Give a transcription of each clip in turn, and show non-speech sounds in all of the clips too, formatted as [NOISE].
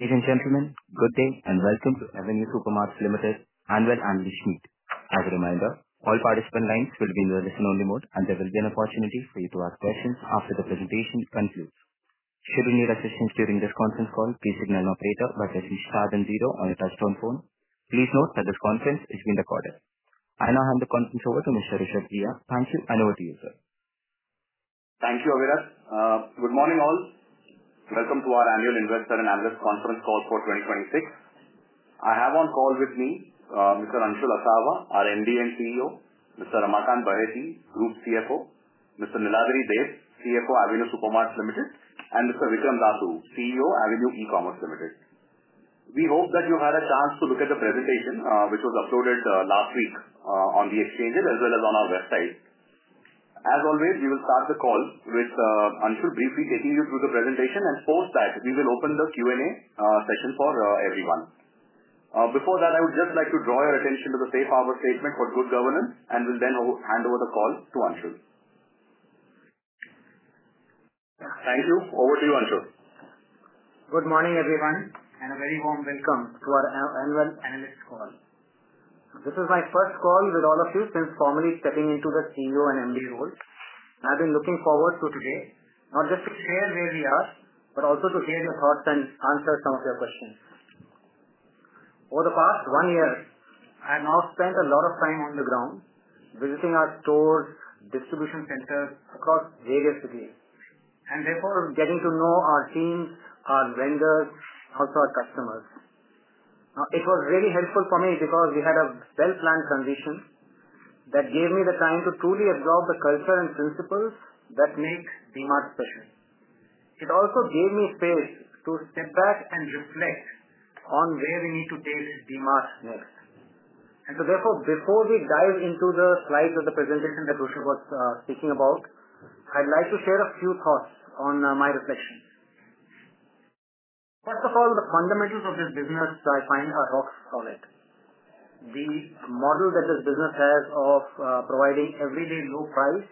Ladies and gentlemen, good day and welcome to Avenue Supermarts Limited Annual Analyst Meet. As a reminder, all participant lines will be in listen only mode and there will be an opportunity for you to ask questions after the presentation concludes. Should you need assistance during this conference call, please signal an operator by pressing star then zero on your touchtone phone. Please note that this conference is being recorded. I now hand the conference over to Mr. Rushabh Ghiya. Thank you and over to you, sir. Thank you Aviras. Good morning all. Welcome to our annual investor and analyst conference call for 2026. I have on call with me, Mr. Anshul Asawa, our Managing Director and Chief Executive Officer, Mr. Ramakant Baheti, Group Chief Financial Officer, Mr. Niladri Deb, Chief Financial Officer, Avenue Supermarts Limited, and Mr. Trivikrama Rao Dasu, Chief Executive Officer, Avenue E-commerce Limited. We hope that you had a chance to look at the presentation, which was uploaded last week on the exchanges as well as on our website. As always, we will start the call with Anshul briefly taking you through the presentation, and post that we will open the question-and-answer session for everyone. Before that, I would just like to draw your attention to the safe harbor statement for good governance and will then hand over the call to Anshul. Thank you. Over to you, Anshul. Good morning, everyone, and a very warm welcome to our annual analyst call. This is my first call with all of you since formally stepping into the Chief Executive Officer and Managing Director role. I've been looking forward to today, not just to share where we are, but also to hear your thoughts and answer some of your questions. Over the past one year, I have now spent a lot of time on the ground, visiting our stores, distribution centers across various cities, and therefore getting to know our teams, our vendors, also our customers. It was really helpful for me because we had a well-planned transition that gave me the time to truly absorb the culture and principles that make DMart special. It also gave me space to step back and reflect on where we need to take DMart next. Therefore, before we dive into the slides of the presentation that Rushabh was speaking about, I'd like to share a few thoughts on my reflection. First of all, the fundamentals of this business that I find are rock solid. The model that this business has of providing everyday low price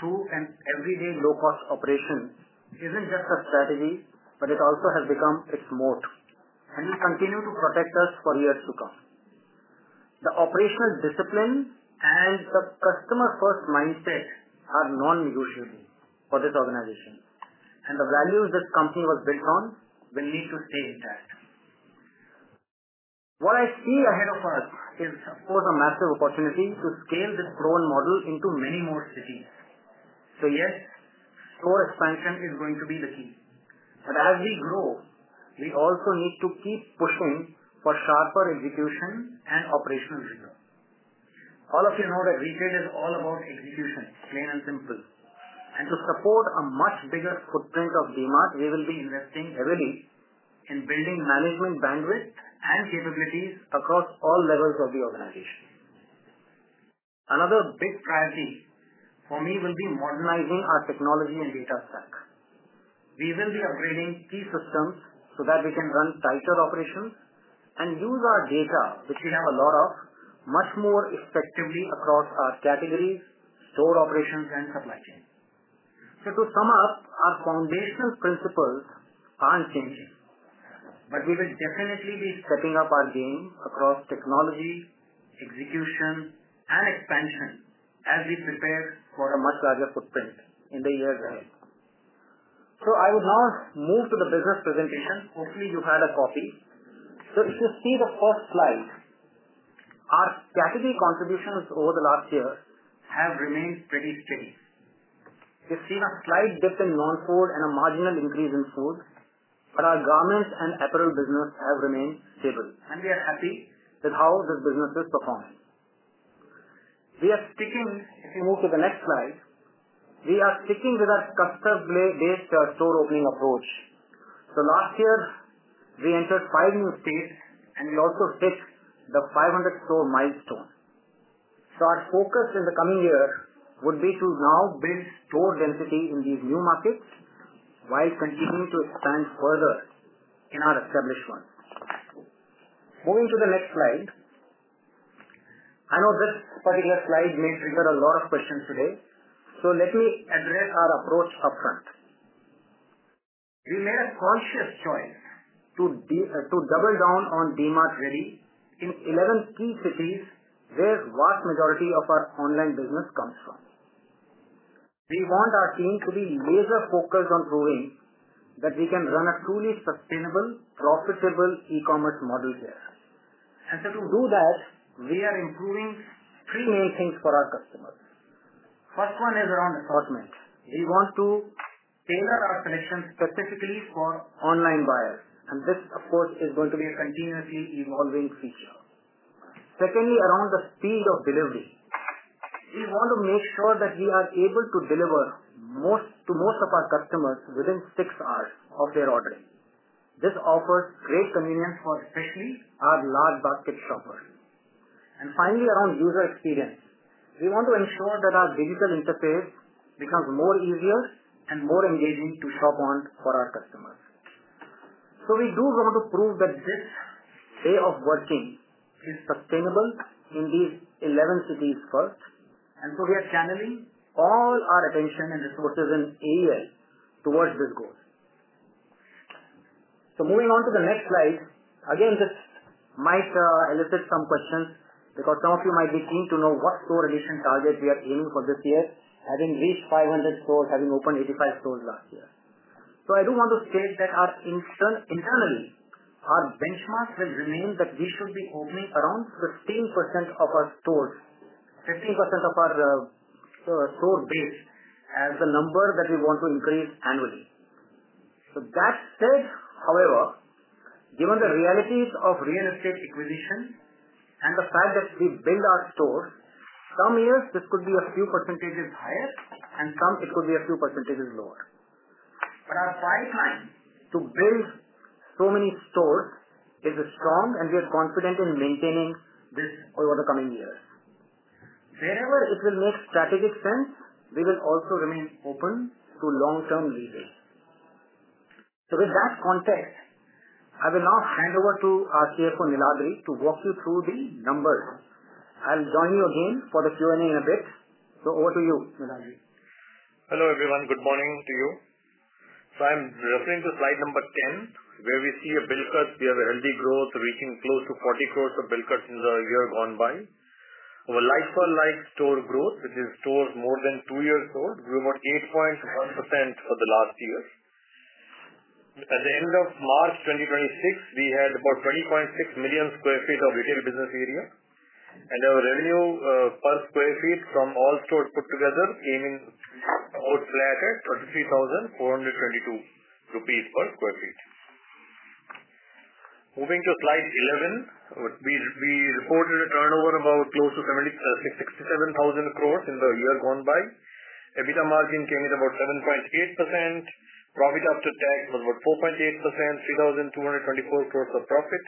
through an everyday low-cost operation isn't just a strategy, but it also has become its moat, and will continue to protect us for years to come. The operational discipline and the customer-first mindset are non-negotiable for this organization, and the values this company was built on will need to stay intact. What I see ahead of us is of course, a massive opportunity to scale this proven model into many more cities. Yes, store expansion is going to be the key. As we grow, we also need to keep pushing for sharper execution and operational discipline. All of you know that retail is all about execution, plain and simple. To support a much bigger footprint of DMart, we will be investing heavily in building management bandwidth and capabilities across all levels of the organization. Another big priority for me will be modernizing our technology and data stack. We will be upgrading key systems so that we can run tighter operations and use our data, which we have a lot of, much more effectively across our categories, store operations, and supply chain. To sum up, our foundational principles aren't changing, but we will definitely be stepping up our game across technology, execution, and expansion as we prepare for a much larger footprint in the years ahead. I will now move to the business presentation. Hopefully, you have a copy. If you see the first slide, our category contributions over the last year have remained pretty steady. We've seen a slight dip in non-food and a marginal increase in food, but our garments and apparel business have remained stable, and we are happy with how this business is performing. If you move to the next slide, we are sticking with our cluster-based store opening approach. Last year, we entered five new states and we also hit the 500th store milestone. Our focus in the coming year would be to now build store density in these new markets while continuing to expand further in our established ones. Moving to the next slide. I know this particular slide may trigger a lot of questions today, let me address our approach upfront. We made a conscious choice to double down on DMart Ready in 11 key cities where vast majority of our online business comes from. We want our team to be laser-focused on proving that we can run a truly sustainable, profitable e-commerce model there. To do that, we are improving three main things for our customers. First one is around assortment. We want to tailor our collection specifically for online buyers, and this of course is going to be a continuously evolving feature. Secondly, around the speed of delivery. We want to make sure that we are able to deliver to most of our customers within six hours of their ordering. This offers great convenience for especially our large basket shoppers. Finally, around user experience. We want to ensure that our digital interface becomes more easier and more engaging to shop on for our customers. We do want to prove that this Way of working is sustainable in these 11 cities first. We are channeling all our attention and resources in AS towards this goal. Moving on to the next slide. Again, this might elicit some questions because some of you might be keen to know what store addition target we are aiming for this year, having reached 500 stores, having opened 85 stores last year. I do want to state that internally, our benchmark has remained that we should be opening around 15% of our store base as the number that we want to increase annually. That said, however, given the realities of real estate acquisition and the fact that we build our stores, some years this could be a few percentages higher, and some it could be a few percentages lower. Our track time to build so many stores is strong, and we are confident in maintaining this over the coming years. Wherever it will make strategic sense, we will also remain open to long-term leasing. With that context, I will now hand over to our Chief Financial Officer, Niladri, to walk you through the numbers. I'll join you again for the question-and-answer in a bit. Over to you, Niladri. Hello, everyone. Good morning to you. I'm referring to slide number 10, where we see a bill cut. We have a healthy growth reaching close to 40 crore of bill cuts in the year gone by. Our like-for-like store growth, which is stores more than two years old, grew about 8.1% for the last year. At the end of March 2026, we had about 20.6 million sq ft of retail business area, and our revenue per sq ft from all stores put together came in about flat at 33,422 rupees per sq ft. Moving to slide 11, we reported a turnover about close to 67,000 crore in the year gone by. EBITDA margin came in about 7.8%. Profit after tax was about 4.8%, 3,224 crore of profit,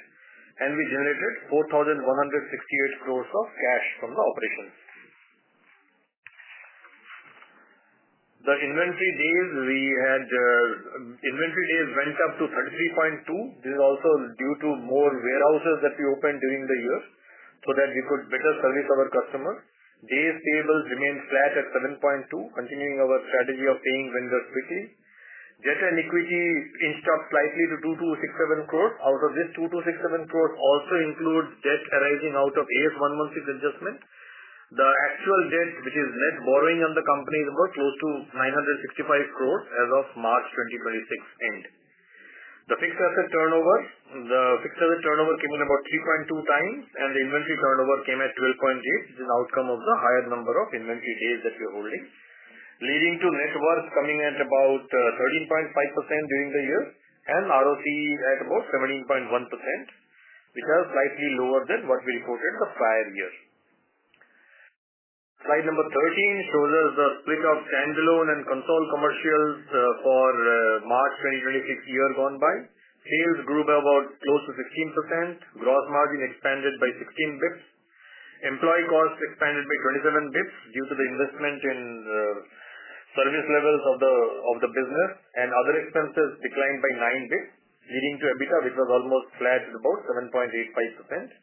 and we generated 4,168 crore of cash from the operations. The inventory days went up to 33.2. This is also due to more warehouses that we opened during the year so that we could better service our customers. Days payables remained flat at 7.2, continuing our strategy of paying vendors quickly. Debt and equity inched up slightly to 2,267 crore. Out of this 2,267 crore also includes debt arising out of Ind AS 116 adjustments. The actual debt, which is net borrowing on the company, is about close to 965 crore as of March 2026 end. The fixed asset turnover came in about 3.2x, and the inventory turnover came at 12.8x, which is an outcome of the higher number of inventory days that we are holding, leading to net worth coming at about 13.5% during the year and ROCE at about 17.1%, which are slightly lower than what we reported the prior year. Slide number 13 shows us the split of standalone and consolidated commercials for March 2026 year gone by. Sales grew by about close to 15%. Gross margin expanded by 16 basis points. Employee cost expanded by 27 basis points due to the investment in service levels of the business. Other expenses declined by 9 basis points, leading to EBITDA, which was almost flat at about 7.85%.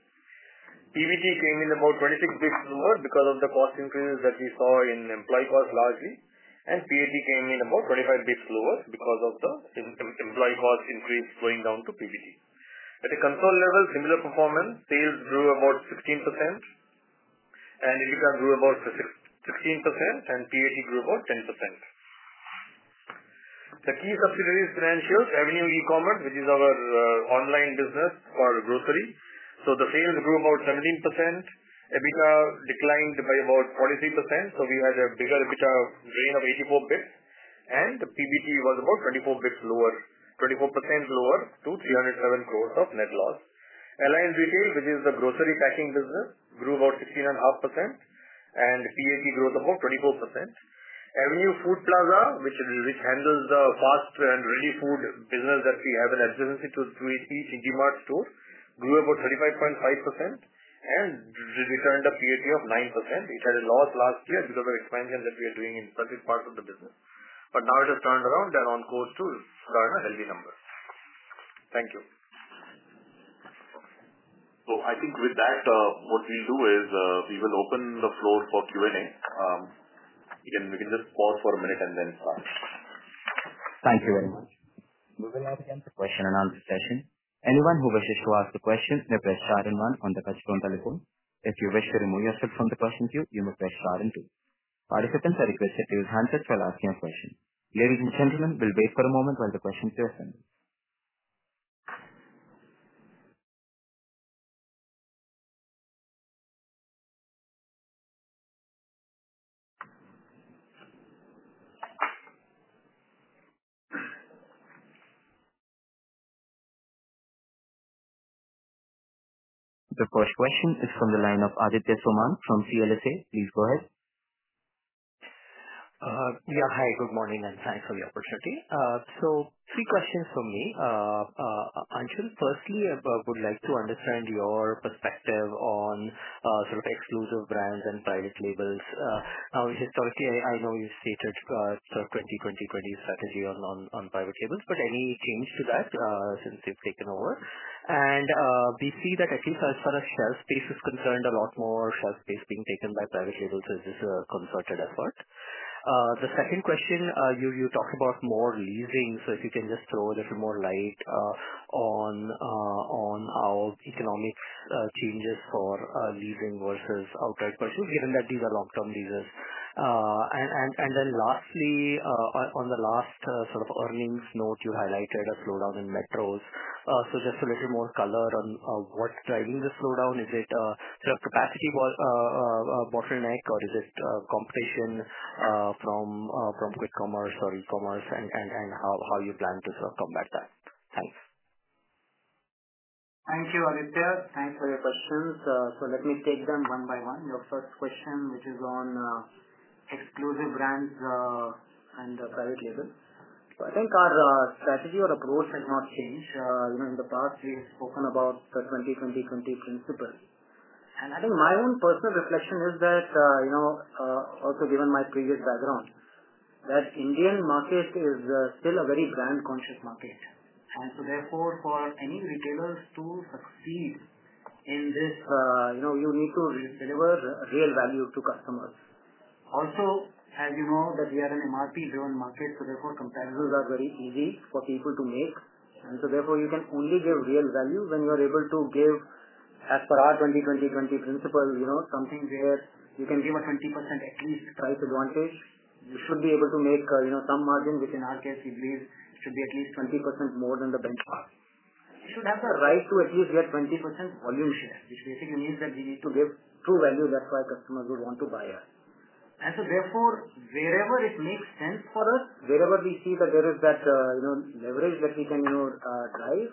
PBT came in about 26 basis points lower because of the cost increases that we saw in employee cost largely, and PAT came in about 25 basis points lower because of the employee cost increase flowing down to PBT. At a consolidated level, similar performance. Sales grew about 16%, EBITDA grew about 16%, and PAT grew about 10%. The key subsidiaries financials, Avenue E-commerce, which is our online business for grocery. The sales grew about 17%. EBITDA declined by about 43%. We had a bigger EBITDA gain of 84 basis points, and PBT was about 24% lower to 307 crore of net loss. Align Retail Trades, which is the grocery packing business, grew about 16.5%, and PAT grew about 24%. Avenue Food Plaza, which handles the fast and ready food business that we have in adjacency to each DMart store, grew about 35.5% and returned a PAT of 9%. It had a loss last year because of expansion that we are doing in certain parts of the business. Now it has turned around and on course to turn a healthy number. Thank you. I think with that, what we'll do is, we will open the floor for question-and-answer. We can just pause for a minute and then start. Thank you very much. We will now begin the question and answer session. Anyone who wishes to ask a question may press star and one on the touchtone telephone. If you wish to remove yourself from the question queue, you may press star and two. Participants are requested to use handset for asking a question. Ladies and gentlemen, we'll wait for a moment while the questions are sent. The first question is from the line of Aditya Soman from CLSA. Please go ahead. Hi, good morning, and thanks for the opportunity. Three questions from me. Anshul, firstly, I would like to understand your perspective on exclusive brands and private labels. Historically, I know you've stated the 2020 strategy on private labels, any change to that since you've taken over? We see that at least as far as shelf space is concerned, a lot more shelf space being taken by private labels. Is this a concerted effort? The second question, you talked about more leasing. If you can just throw a little more light on how economics changes for leasing versus outright purchase, given that these are long-term leases. Lastly, on the last sort of earnings note, you highlighted a slowdown in Metros. Just a little more color on what's driving the slowdown. Is it a capacity bottleneck or is it competition from Quick Commerce or E-Commerce? How you plan to sort of combat that? Thanks. Thank you, Aditya. Thanks for your questions. Let me take them one by one. Your first question, which is on exclusive brands and private label. I think our strategy or approach has not changed. In the past, we've spoken about the 2020 principle. I think my own personal reflection is that, also given my previous background, that Indian market is still a very brand-conscious market. Therefore, for any retailers to succeed in this, you need to deliver real value to customers. Also, as you know, that we are an MRP-driven market, so therefore some comparisons are very easy for people to make. Therefore, you can only give real value when you are able to give, as per our 2020 principle, something where you can give a 20% at least price advantage. You should be able to make some margin, which in our case, we believe should be at least 20% more than the benchmark. You should have the right to at least get 20% volume share, which basically means that we need to give true value. That's why customers would want to buy us. Therefore, wherever it makes sense for us, wherever we see that there is that leverage that we can drive,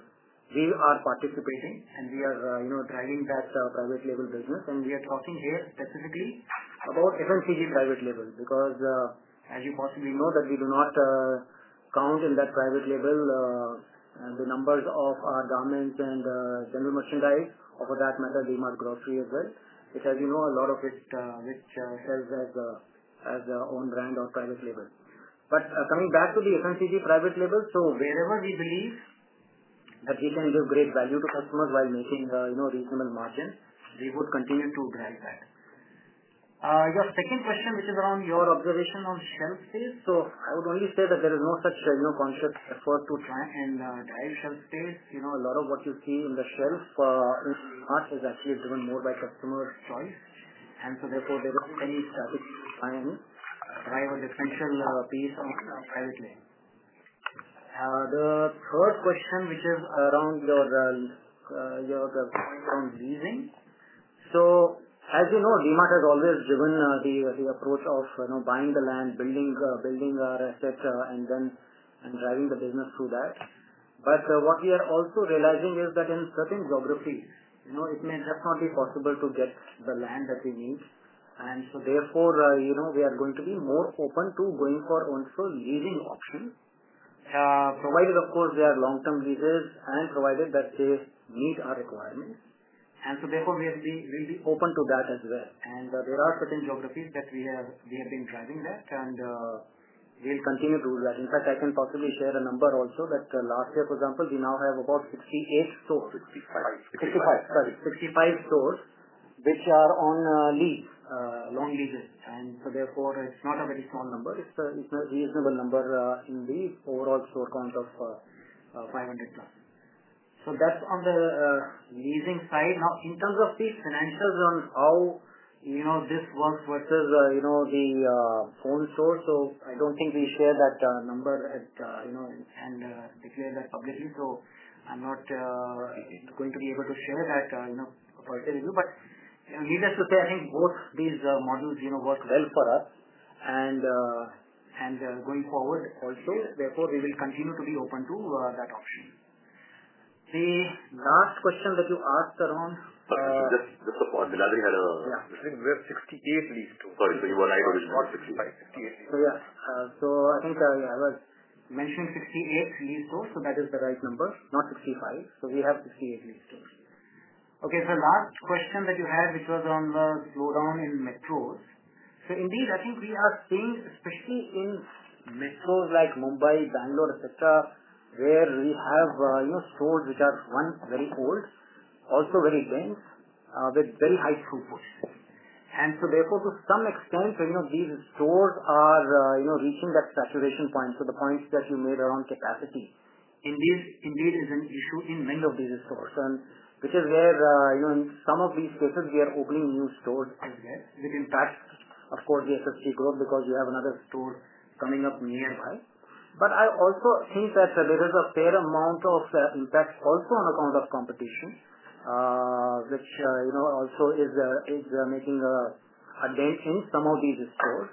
we are participating, and we are driving that private label business. We are talking here specifically about FMCG private label because as you possibly know, that we do not count in that private label the numbers of our garments and general merchandise. Or for that matter, DMart Grocery as well, which as you know, a lot of it, which serves as own brand or private label. Coming back to the FMCG private label, wherever we believe that we can give great value to customers while making reasonable margin, we would continue to drive that. Your second question, which is around your observation on shelf space. I would only say that there is no such conscious effort to try and drive shelf space. A lot of what you see on the shelf, in part, is actually driven more by customer choice. Therefore, there is no specific plan to drive a differential piece on private label. The third question, which is around your comment on leasing. As you know, DMart has always driven the approach of buying the land, building our asset, and then driving the business through that. What we are also realizing is that in certain geographies, it may just not be possible to get the land that we need. Therefore, we are going to be more open to going for also leasing option, provided, of course, they are long-term leases and provided that they meet our requirements. Therefore, we'll be open to that as well. There are certain geographies that we have been driving that, and we'll continue to do that. In fact, I can possibly share a number also that last year, for example, we now have about 68 stores- 65 stores. 65 stores, sorry. 65 stores which are on lease, long leases. Therefore, it's not a very small number. It's a reasonable number in the overall store count of 500 now. That's on the leasing side. Now, in terms of the financials on how this works versus the own stores, I don't think we share that number and declare that publicly. I'm not going to be able to share that with you. Needless to say, I think both these models work well for us and going forward also. Therefore, we will continue to be open to that option. The last question that you asked around- Just a pause. Niladri. I think we have 68 leased stores. Sorry. You are right. It is not 65 stores. 68 stores. Yeah. I think I was mentioning 68 leased stores, that is the right number, not 65. We have 68 leased stores. Okay. Last question that you had, which was on the slowdown in Metros. Indeed, I think we are seeing, especially in Metros like Mumbai, Bangalore, et cetera, where we have stores which are, one, very old, also very dense with very high throughput. Therefore, to some extent, these stores are reaching that saturation point. The points that you made around capacity indeed is an issue in many of these stores, and which is where in some of these cases, we are opening new stores as well. Which impacts, of course, the SSG growth because you have another store coming up nearby. I also think that there is a fair amount of impact also on account of competition, which also is making a dent in some of these stores.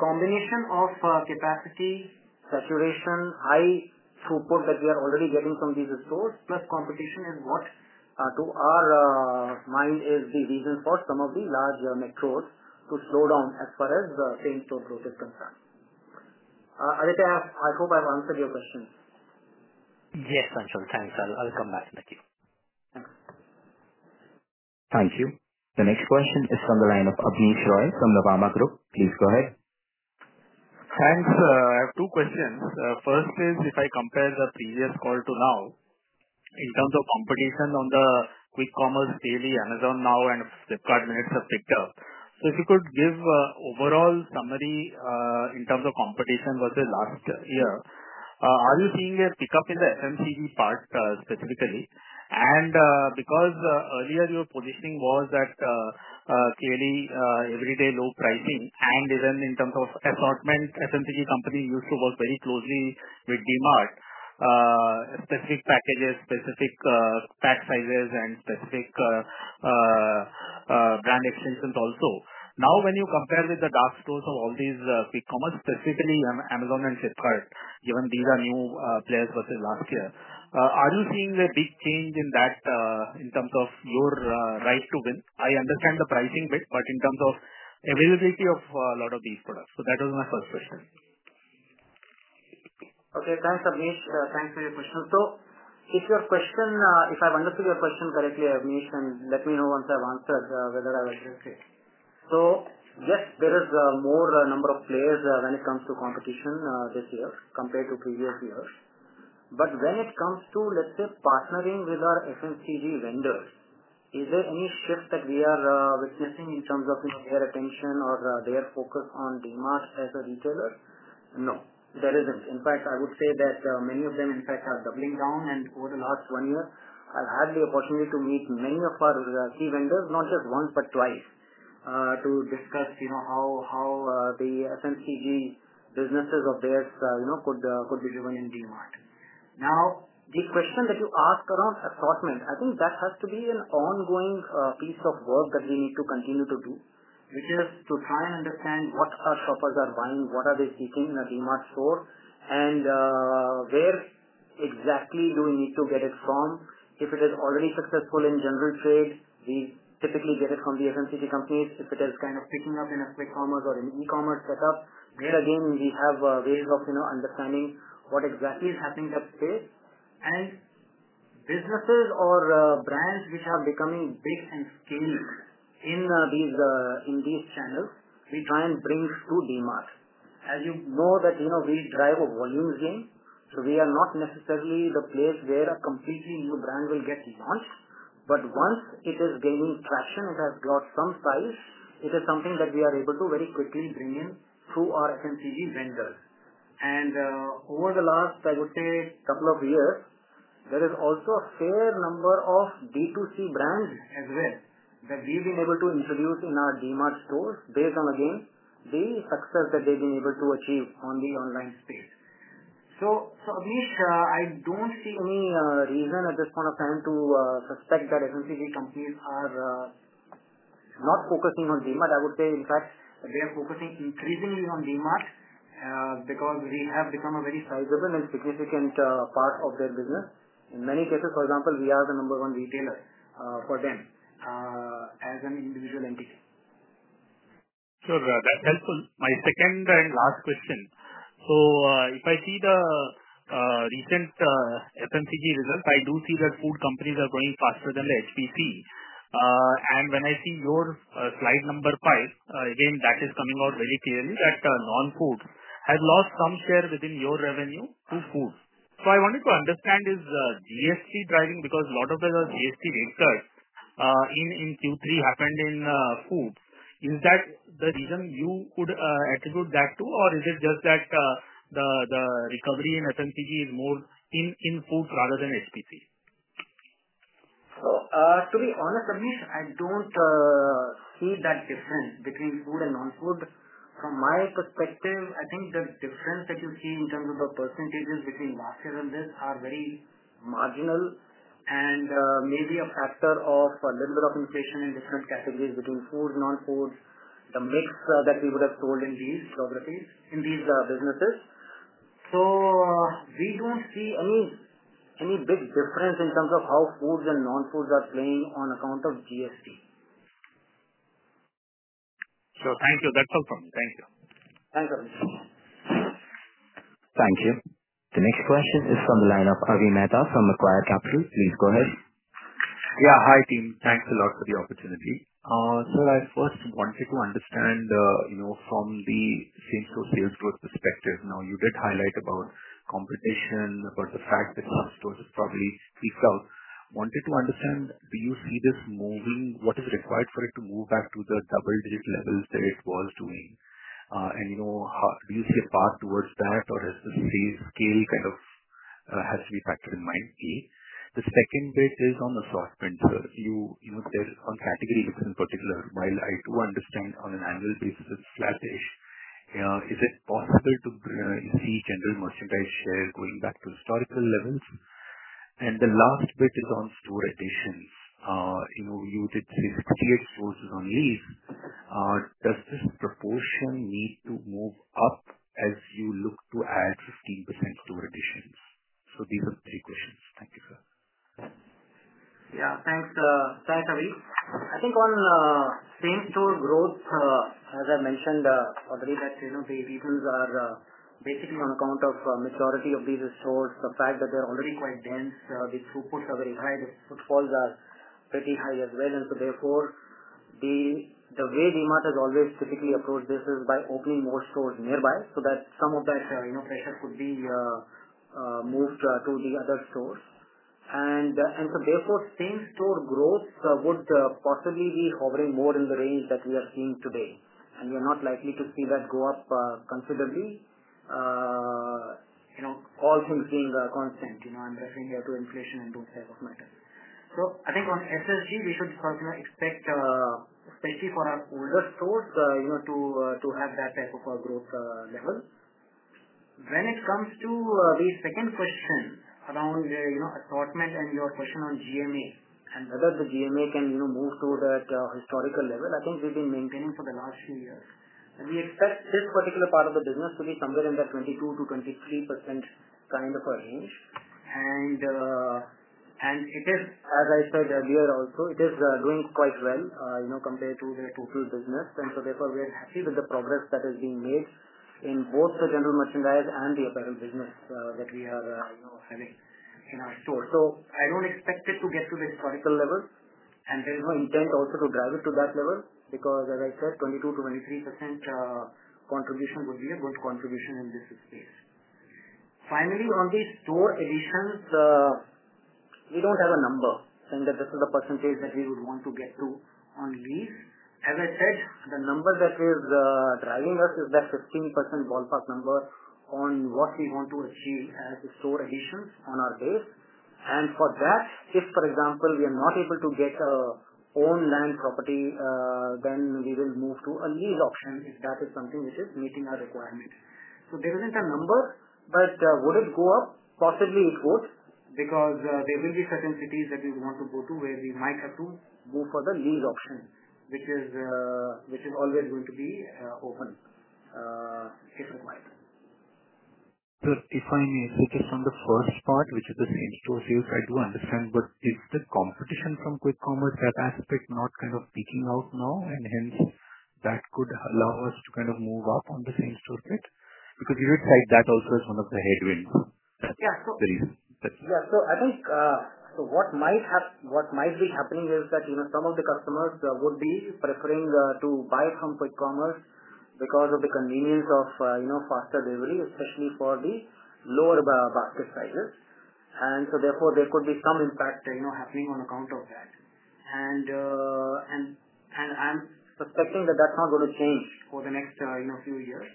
Combination of capacity, saturation, high throughput that we are already getting from these stores, plus competition is what to our mind is the reason for some of the large Metros to slow down as far as same-store growth is concerned. Aditya, I hope I've answered your question. Yes, Anshul. Thanks. I'll come back. Thank you. Thank you. The next question is from the line of Abneesh Roy from the Nuvama Group. Please go ahead. Thanks. I have two questions. First is, if I compare the previous call to now, in terms of competition on the quick commerce, daily Amazon Now and Flipkart Minutes have picked up. If you could give a overall summary, in terms of competition versus last year. Are you seeing a pickup in the FMCG part specifically? Because earlier your positioning was at clearly everyday low pricing and even in terms of assortment, FMCG companies used to work very closely with DMart, specific packages, specific pack sizes and specific brand extensions also. Now, when you compare with the dark stores of all these quick commerce, specifically Amazon and Flipkart, given these are new players versus last year, are you seeing a big change in that, in terms of your right to win? I understand the pricing bit, but in terms of availability of a lot of these products. That was my first question. Okay. Thanks, Abneesh. Thanks for your question. If I've understood your question correctly, Abneesh, let me know once I've answered whether I've addressed it. Yes, there is more number of players when it comes to competition this year compared to previous years. When it comes to, let's say, partnering with our FMCG vendors, is there any shift that we are witnessing in terms of their attention or their focus on DMart as a retailer? No, there isn't. In fact, I would say that many of them, in fact, are doubling down. Over the last one year, I've had the opportunity to meet many of our key vendors, not just once, but twice, to discuss how the FMCG businesses of theirs could be driven in DMart. Now, the question that you asked around assortment, I think that has to be an ongoing piece of work that we need to continue to do, which is to try and understand what our shoppers are buying, what are they seeking in a DMart store, and where exactly do we need to get it from. If it is already successful in general trade, we typically get it from the FMCG companies. If it is kind of picking up in a quick commerce or in e-commerce setup, there again, we have ways of understanding what exactly is happening at scale. Businesses or brands which are becoming big and scaled in these channels, we try and bring to DMart. As you know that we drive a volumes game, we are not necessarily the place where a completely new brand will get launched. Once it is gaining traction, it has got some size, it is something that we are able to very quickly bring in through our FMCG vendors. Over the last, I would say couple of years, there is also a fair number of D2C brands as well that we've been able to introduce in our DMart stores based on, again, the success that they've been able to achieve on the online space. Abneesh, I don't see any reason at this point of time to suspect that FMCG companies are not focusing on DMart. I would say, in fact, they are focusing increasingly on DMart, because we have become a very sizable and significant part of their business. In many cases, for example, we are the number 1 retailer for them, as an individual entity. Sure. That's helpful. My second and last question. If I see the recent FMCG results, I do see that food companies are growing faster than the HPC. When I see your slide number five, again, that is coming out very clearly that non-food has lost some share within your revenue to food. I wanted to understand, is GST driving because a lot of the GST rates cut in Q3 happened in food. Is that the reason you could attribute that to? Or is it just that the recovery in FMCG is more in food rather than HPC? To be honest, Abneesh, I don't see that difference between food and non-food. From my perspective, I think the difference that you see in terms of the percentages between last year and this are very marginal and may be a factor of a little bit of inflation in different categories between food, non-food, the mix that we would have sold in these businesses. We don't see any big difference in terms of how foods and non-foods are playing on account of GST. Thank you. That's all from me. Thank you. Thanks, Abneesh. Thank you. The next question is from the line of Avi Mehta from Macquarie Capital. Please go ahead. Yeah. Hi, team. Thanks a lot for the opportunity. Sir, I first wanted to understand from the same-store sales growth perspective. You did highlight about competition, about the fact that dark stores have probably peaked out. Wanted to understand, do you see this moving? What is required for it to move back to the double-digit levels that it was doing? Do you see a path towards that or has the scale kind of has to be factored in mind? A. The second bit is on assortment, sir. You said on category looks in particular. While I do understand on an annual basis it's flattish, is it possible to see general merchandise share going back to historical levels? The last bit is on store additions. You did say CapEx stores is on lease. Does this proportion need to move up as you look to add 15% store additions? These are the three questions. Thank you, sir. Yeah, thanks. Thanks, Avi. I think on same-store growth, as I mentioned earlier that the reasons are basically on account of maturity of these stores, the fact that they're already quite dense, the throughputs are very high, the footfalls are pretty high as well. Therefore, the way DMart has always typically approached this is by opening more stores nearby, so that some of that pressure could be moved to the other stores. Therefore, same-store growth would possibly be hovering more in the range that we are seeing today, and we are not likely to see that go up considerably all things being constant. I'm referring here to inflation and those type of matters. I think on SSG, we should expect, especially for our older stores to have that type of a growth level. When it comes to the second question around assortment and your question on GM&A and whether the GM&A can move to that historical level, I think we've been maintaining for the last few years. We expect this particular part of the business to be somewhere in that 22%-23% kind of a range. It is, as I said earlier also, it is doing quite well compared to the total business. Therefore, we are happy with the progress that is being made in both the general merchandise and the apparel business that we are having in our store. I don't expect it to get to the historical level, and there is no intent also to drive it to that level, because as I said, 22%-23% contribution would be a good contribution in this case. Finally, on the store additions, we don't have a number in terms of the percentage that we would want to get to on lease. As I said, the number that is driving us is that 15% ballpark number on what we want to achieve as store additions on our base. For that, if, for example, we are not able to get owned land property, then we will move to a lease option if that is something which is meeting our requirement. There isn't a number, but would it go up? Possibly it would, because there will be certain cities that we would want to go to, where we might have to go for the lease option, which is always going to be open case in point. Sir, if I may focus on the first part, which is the same-store sales. I do understand. Is the competition from quick commerce, that aspect not kind of peaking out now, and hence that could allow us to move up on the same-store sales? You would cite that also as one of the headwinds. Yeah. The reason. Yeah. I think what might be happening is that some of the customers would be preferring to buy from quick commerce because of the convenience of faster delivery, especially for the lower basket sizes. Therefore, there could be some impact happening on account of that. I'm suspecting that that's not going to change for the next few years.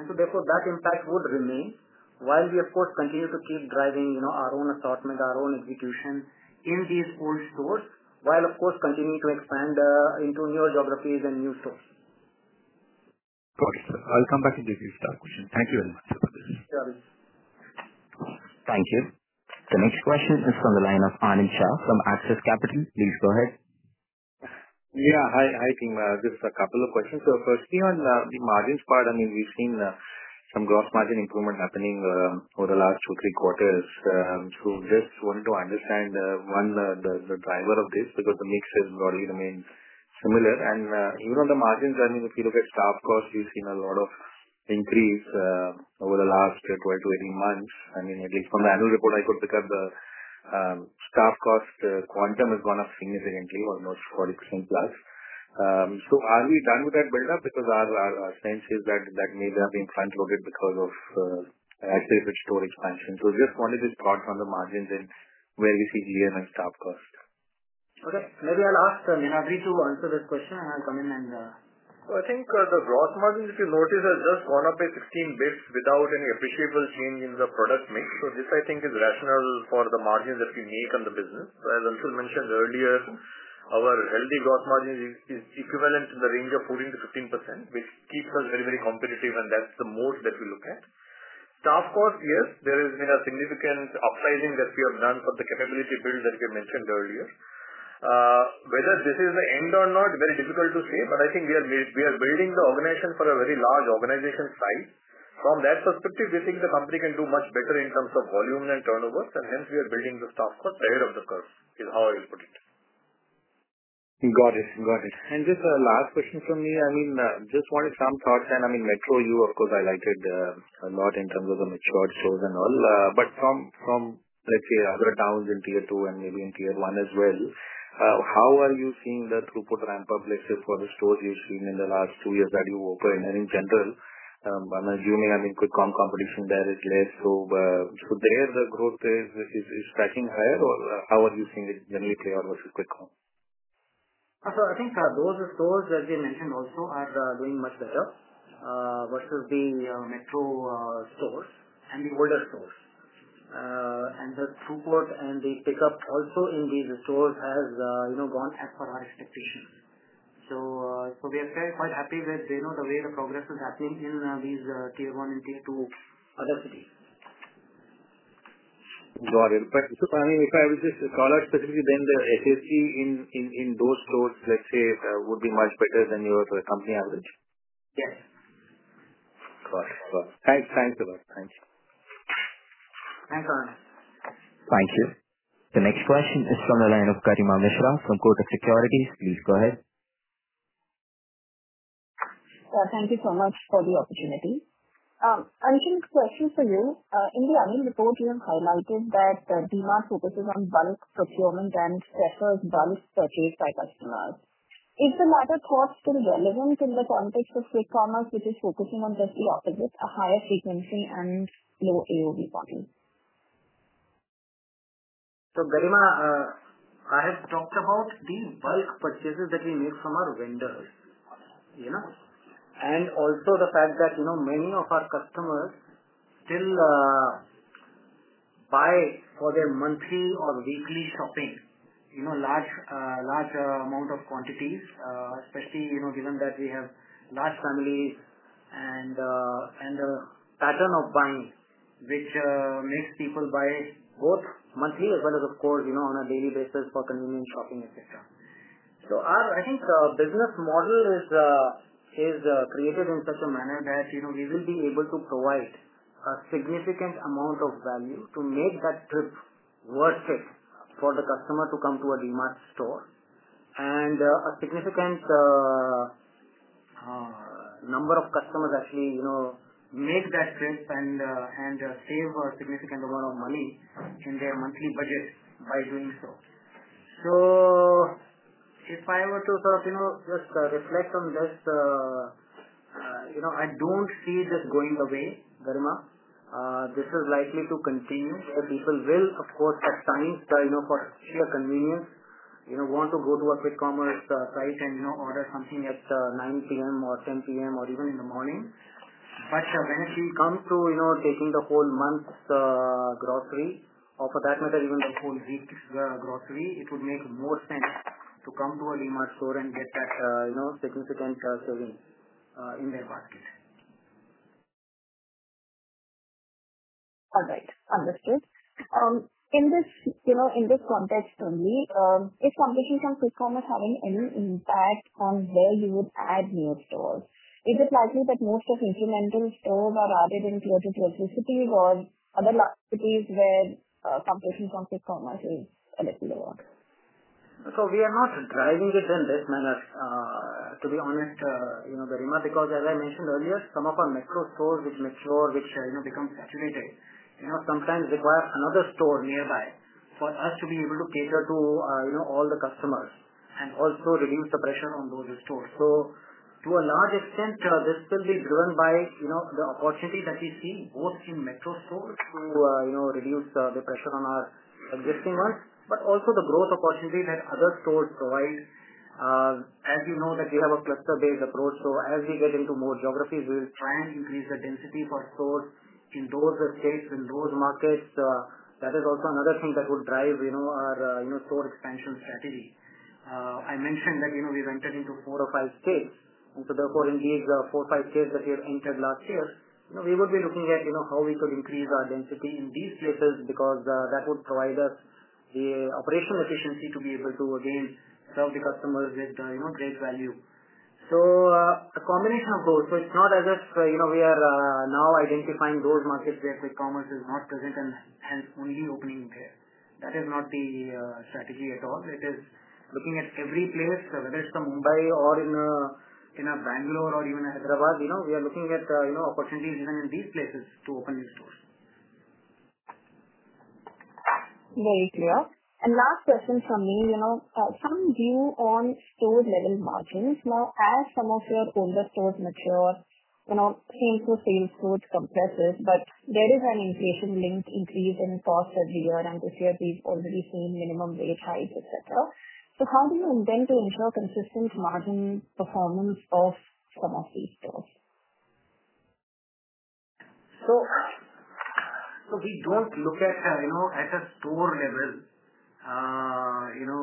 Therefore, that impact would remain while we, of course, continue to keep driving our own assortment, our own execution in these old stores, while of course, continuing to expand into newer geographies and new stores. Got it, sir. I'll come back and get to the third question. Thank you very much for this. Sure. Thank you. The next question is from the line of Anand Shah from Axis Capital. Please go ahead. Yeah. Hi, team. Just a couple of questions. Firstly, on the margins part, we've seen some gross margin improvement happening over the last two, three quarters. Just wanted to understand, one, the driver of this, because the mix has broadly remained similar and even on the margins, if you look at staff costs, we've seen a lot of increase over the last 12 months-18 months. At least from the annual report I could pick up the staff cost quantum has gone up significantly, almost 40%+. Are we done with that buildup? Because our sense is that may have been front loaded because of aggressive store expansion. Just wanted your thoughts on the margins and where you see GM and staff cost. Okay. Maybe I'll ask Niladri to answer this question, and I'll come in and- I think the gross margin, if you notice, has just gone up by 16 basis points without any appreciable change in the product mix. This, I think, is rational for the margin that we make on the business. As Anshul mentioned earlier, our healthy growth margin is equivalent in the range of 14%-15%, which keeps us very competitive, and that's the moat that we look at. Staff cost, yes, there has been a significant upsizing that we have done for the capability build that we have mentioned earlier. Whether this is the end or not, very difficult to say, but I think we are building the organization for a very large organization size. From that perspective, we think the company can do much better in terms of volume and turnovers, and hence we are building the staff cost ahead of the curve, is how I'll put it. Got it. Just a last question from me. Just wanted some thoughts, and Metro you, of course, highlighted a lot in terms of the matured stores and all, but from, let's say other towns in Tier 2 and maybe in Tier 1 as well, how are you seeing the throughput ramp up, let's say, for the stores you've seen in the last two years that you opened? In general, I'm assuming, I think quick com competition there is less. There the growth is tracking higher, or how are you seeing it dynamically or versus quick com? I think those stores that we mentioned also are doing much better versus the metro stores and the older stores. The throughput and the pickup also in these stores has gone as per our expectations. We are quite happy with the way the progress is happening in these Tier 1 and Tier 2 other cities. Got it. Sir, if I would just follow up specifically then, the SSG in those stores, let's say, would be much better than your company average? Yes. Of course. Thanks a lot. Thanks. Thank you. The next question is from the line of Garima Mishra from Kotak Securities. Please go ahead. Sir, thank you so much for the opportunity. Anshul, this question is for you. In the earnings report, you have highlighted that the DMart focuses on bulk procurement and prefers bulk purchase by customers. Is the model cost still relevant in the context of quick commerce, which is focusing on just the opposite, a higher frequency and low AOV volume? Garima, I have talked about the bulk purchases that we make from our vendors. Also the fact that many of our customers still buy for their monthly or weekly shopping, large amount of quantities, especially given that we have large families and a pattern of buying, which makes people buy both monthly as well as, of course, on a daily basis for convenient shopping, et cetera. I think our business model is created in such a manner that we will be able to provide a significant amount of value to make that trip worth it for the customer to come to a DMart store. A significant number of customers actually make that trip and save a significant amount of money in their monthly budget by doing so. If I were to just reflect on this, I don't see this going away, Garima. This is likely to continue, where people will, of course, at times, for sheer convenience, want to go to a quick commerce site and order something at 9:00 P.M. or 10:00 P.M. or even in the morning. When it will come to taking the whole month's grocery or for that matter, even the whole week's grocery, it would make more sense to come to a DMart store and get that significant saving in their pocket. All right. Understood. In this context only, is competition from quick commerce having any impact on where you would add new stores? Is it likely that most of incremental stores are added in Tier 2, Tier 3 cities or other cities where competition from quick commerce is a little lower? We are not driving it in this manner, to be honest Garima, because as I mentioned earlier, some of our metro stores which mature, which become saturated, sometimes require another store nearby for us to be able to cater to all the customers and also relieve the pressure on those stores. To a large extent, this will be driven by the opportunity that we see both in metro stores to reduce the pressure on our existing ones, but also the growth opportunity that other stores provide. As you know that we have a cluster-based approach, so as we get into more geographies, we will try and increase the density for stores in those states, in those markets. That is also another thing that would drive our store expansion strategy. I mentioned that we have entered into four or five states, therefore in these four or five states that we have entered last year, we would be looking at how we could increase our density in these places, because that would provide us the operational efficiency to be able to again serve the customers with great value. A combination of those. It is not as if we are now identifying those markets where quick commerce is not present and only opening there. That is not the strategy at all. It is looking at every place, whether it is a Mumbai or in a Bangalore or even a Hyderabad. We are looking at opportunities even in these places to open new stores. Very clear. Last question from me. Some view on store level margins. Now, as some of your older stores mature, same-store sales should compresses. There is an inflation-linked increase in costs every year, and this year we have already seen minimum wage hikes, et cetera. How do you intend to ensure consistent margin performance of some of these stores? We don't look at a store level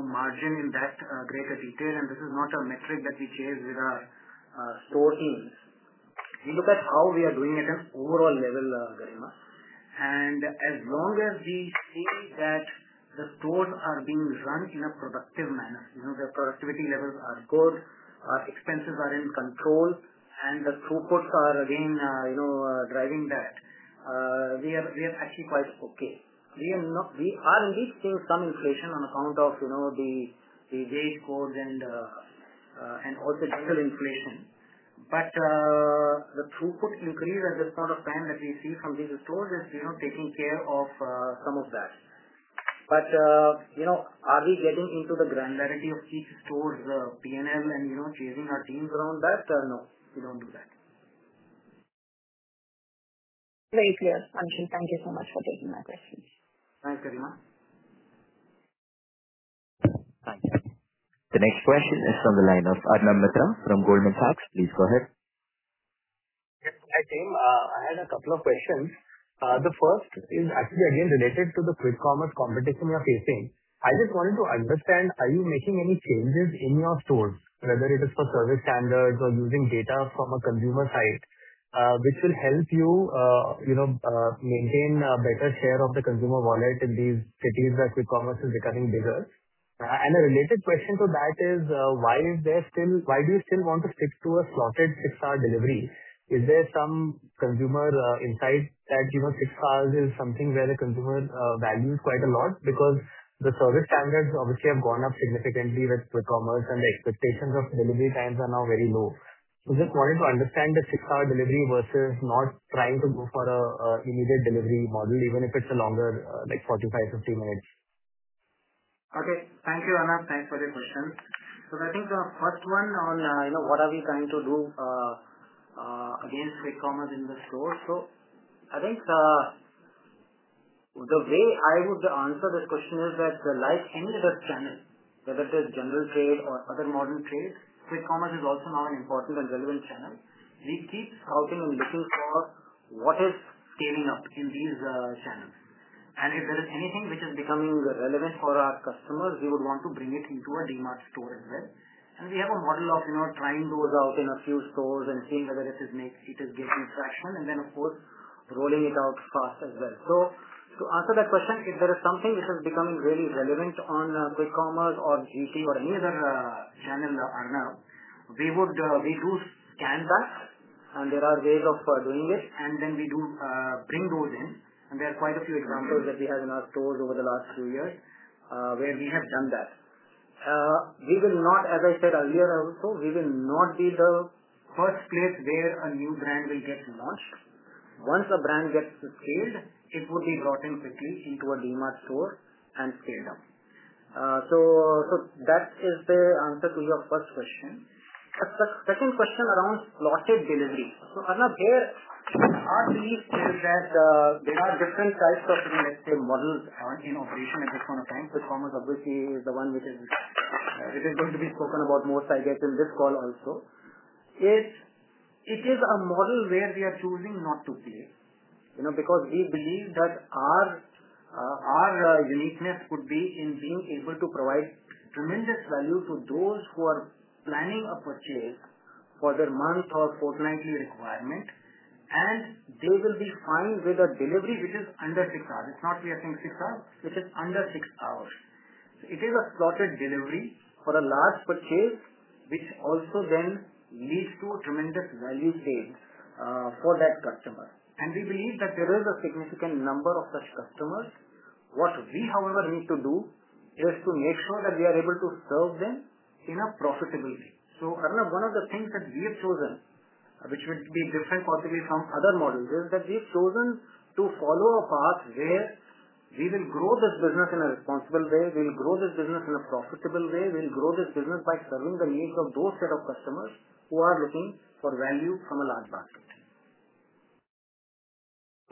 margin in that greater detail, and this is not a metric that we share with our store teams. We look at how we are doing at an overall level, Garima, and as long as we see that the stores are being run in a productive manner, the productivity levels are good, our expenses are in control, and the throughputs are again driving that, we are actually quite okay. We are indeed seeing some inflation on account of the wage codes and also diesel inflation. The throughput increase at this point of time that we see from these stores is taking care of some of that. Are we getting into the granularity of each store's P&L and chasing our teams around that? No, we don't do that. Very clear. Anshul, thank you so much for taking my questions. Thanks, Garima. The next question is from the line of Arnab Mitra from Goldman Sachs. Please go ahead. Yes. Hi, team. I had a couple of questions. The first is actually again related to the quick commerce competition you are facing. I just wanted to understand, are you making any changes in your stores, whether it is for service standards or using data from a consumer side, which will help you maintain a better share of the consumer wallet in these cities where quick commerce is becoming bigger? A related question to that is, why do you still want to stick to a slotted six-hour delivery? Is there some consumer insight that six hours is something where the consumer values quite a lot? Because the service standards obviously have gone up significantly with quick commerce and the expectations of delivery times are now very low. Just wanted to understand the six-hour delivery versus not trying to go for an immediate delivery model, even if it's a longer, like 45 minutes, 50 minutes. Okay. Thank you, Arnab. Thanks for the question. I think the first one on what are we trying to do against quick commerce in the store. I think the way I would answer this question is that like any other channel, whether it is general trade or other modern trades, quick commerce is also now an important and relevant channel. We keep scouting and looking for what is scaling up in these channels. If there is anything which is becoming relevant for our customers, we would want to bring it into a DMart store as well. We have a model of trying those out in a few stores and seeing whether it is getting traction and then, of course, rolling it out fast as well. To answer that question, if there is something which is becoming really relevant on quick commerce or GT or any other channel, Arnab, we do scan that, there are ways of doing it, then we do bring those in. There are quite a few examples that we have in our stores over the last few years where we have done that. As I said earlier also, we will not be the first place where a new brand will get launched. Once a brand gets scaled, it would be brought in quickly into a DMart store and scaled up. That is the answer to your first question. The second question around slotted delivery. Arnab, there our belief is that there are different types of, let's say, models are in operation at this point of time. Quick commerce obviously is the one which is going to be spoken about most, I guess in this call also. It is a model where we are choosing not to play. We believe that our uniqueness could be in being able to provide tremendous value to those who are planning a purchase for their month or fortnightly requirement, they will be fine with a delivery which is under six hours. It's not we are saying six hours, which is under six hours. It is a slotted delivery for a large purchase which also then leads to tremendous value gained for that customer. We believe that there is a significant number of such customers. What we, however, need to do is to make sure that we are able to serve them in a profitable way. Arnab, one of the things that we have chosen, which would be different possibly from other models, is that we've chosen to follow a path where we will grow this business in a responsible way, we will grow this business in a profitable way. We'll grow this business by serving the needs of those set of customers who are looking for value from a large basket.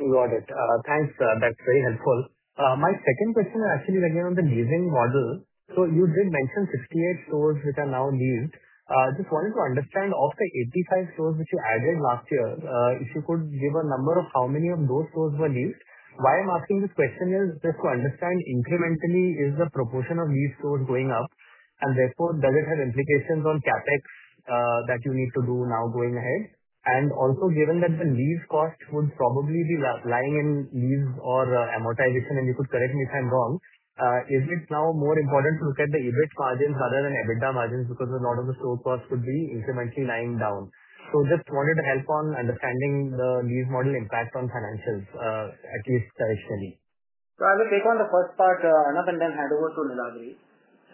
Got it. Thanks. That's very helpful. My second question actually again on the leasing model. You did mention 58 stores which are now leased. Just wanted to understand of the 85 stores which you added last year, if you could give a number of how many of those stores were leased. Why I'm asking this question is just to understand incrementally is the proportion of leased stores going up and therefore does it have implications on CapEx that you need to do now going ahead? And also given that the lease cost would probably be lying in lease or amortization, and you could correct me if I'm wrong. Is it now more important to look at the EBIT margins rather than EBITDA margins because a lot of the store costs would be incrementally lying down. Just wanted help on understanding the lease model impact on financials, at least directionally. I will take on the first part, Arnab, and then hand over to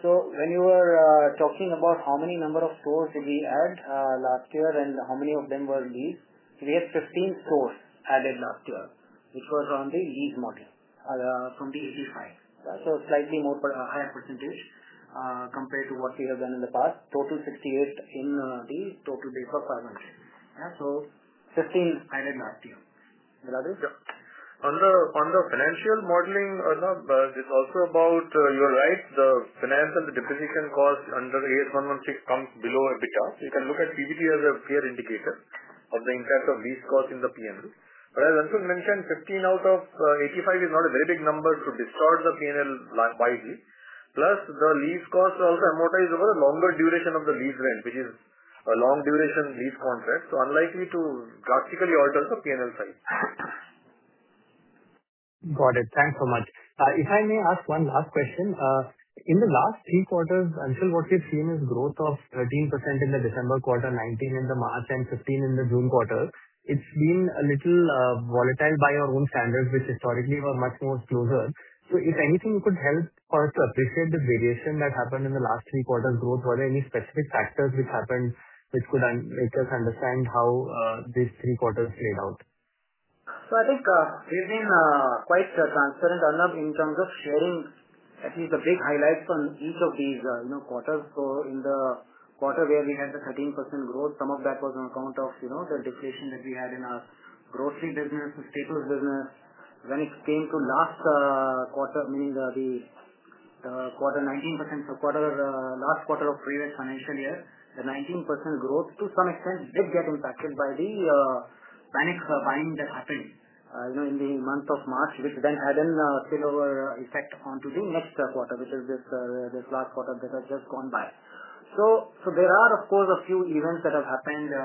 Niladri. When you were talking about how many number of stores did we add last year and how many of them were leased. We had 15 stores added last year which was on the lease model from the 85 stores. Slightly more higher percentage compared to what we have done in the past. Total 68 stores in the total base of 500 stores. 15 added last year. Niladri? Yeah. On the financial modeling, Arnab, this is also about your rights, the finance and the depreciation cost under the Ind AS 116 comes below EBITDA. You can look at PBT as a fair indicator of the impact of lease cost in the P&L. As Anshul mentioned, 15 stores out of 85 stores is not a very big number to distort the P&L wildly. Plus the lease cost also amortizable longer duration of the lease rent, which is a long duration lease contract, unlikely to drastically alter the P&L side. Got it. Thanks so much. If I may ask one last question. In the last three quarters, Anshul, what we've seen is growth of 13% in the December quarter, 19% in the March, and 15% in the June quarter. It's been a little volatile by our own standards which historically were much more closer. If anything, you could help for us to appreciate the variation that happened in the last three quarter growth. Were there any specific factors which happened which could make us understand how these three quarters played out? I think we've been quite transparent, Arnab, in terms of sharing at least the big highlights on each of these quarters. In the quarter where we had the 13% growth, some of that was on account of the deflation that we had in our grocery business and staples business. When it came to last quarter, meaning the quarter 19%, last quarter of previous financial year, the 19% growth to some extent did get impacted by the panic buying that happened in the month of March which then had a spillover effect onto the next quarter, which is this last quarter that has just gone by. There are, of course, a few events that have happened, the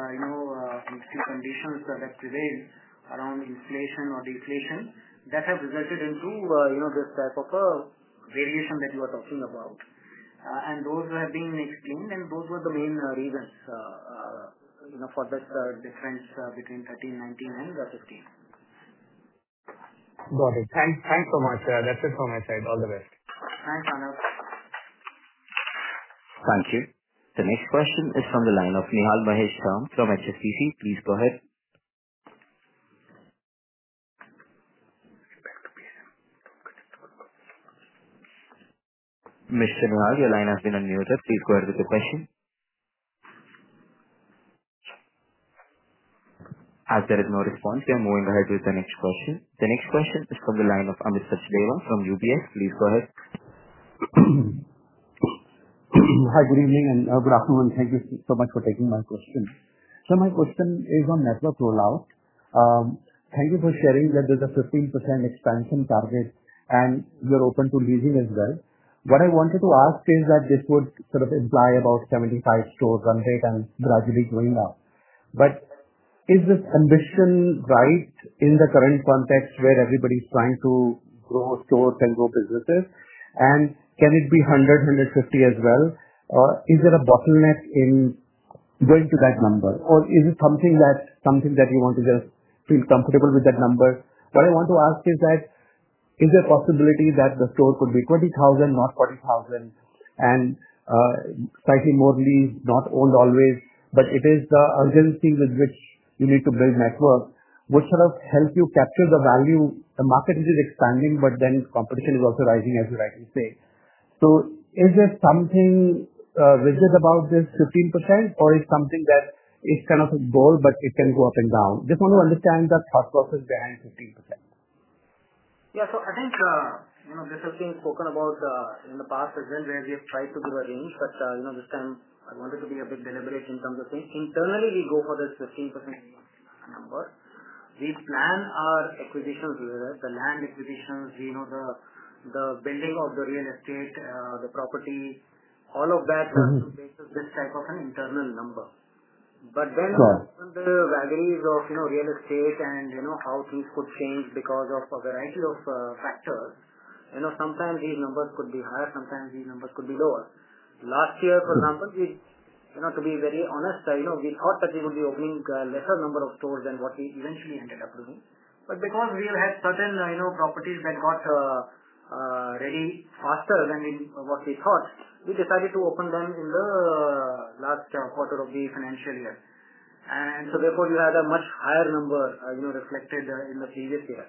few conditions that have prevailed around inflation or deflation that have resulted into this type of a variation that you are talking about. Those were being explained, those were the main reasons for this difference between 13%, 19% and the 15%. Got it. Thanks so much. That's it from my side. All the best. Thanks, Arnab. Thank you. The next question is from the line of Nihal Mahesh Jham from HSBC. Please go ahead. Mr. Nihal, your line has been unmuted. Please go ahead with your question. As there is no response, we are moving ahead with the next question. The next question is from the line of Amit Sachdeva from UBS. Please go ahead. Hi, good evening and good afternoon. Thank you so much for taking my question. My question is on network rollout. Thank you for sharing that there's a 15% expansion target and you're open to leasing as well. What I wanted to ask is that this would imply about 75 stores run rate and gradually going up. Is this ambition right in the current context where everybody's trying to grow stores and grow businesses? Can it be 100,000 150,000 as well? Or is there a bottleneck in going to that number? Or is it something that you want to just feel comfortable with that number? What I want to ask is that, is there a possibility that the store could be 20,000 sq ft, not 40,000 sq ft and slightly more lease, not owned always, but it is the urgency with which you need to build network would help you capture the value. The market is expanding, competition is also rising, as you rightly say. Is there something rigid about this 15%, or is something that is kind of a goal, but it can go up and down? Just want to understand the thought process behind 15%. Yeah. I think, this has been spoken about in the past as well, where we have tried to give a range. This time I wanted to be a bit deliberate in terms of saying internally we go for this 15% number. We plan our acquisitions, be it the land acquisitions, the building of the real estate, the property, all of that. runs through this type of an internal number. Sure the values of real estate and how these could change because of a variety of factors. Sometimes these numbers could be higher, sometimes these numbers could be lower. Last year, for example, to be very honest, we thought that we would be opening a lesser number of stores than what we eventually ended up opening. Because we had certain properties that got ready faster than what we thought, we decided to open them in the last quarter of the financial year. You had a much higher number reflected in the previous year.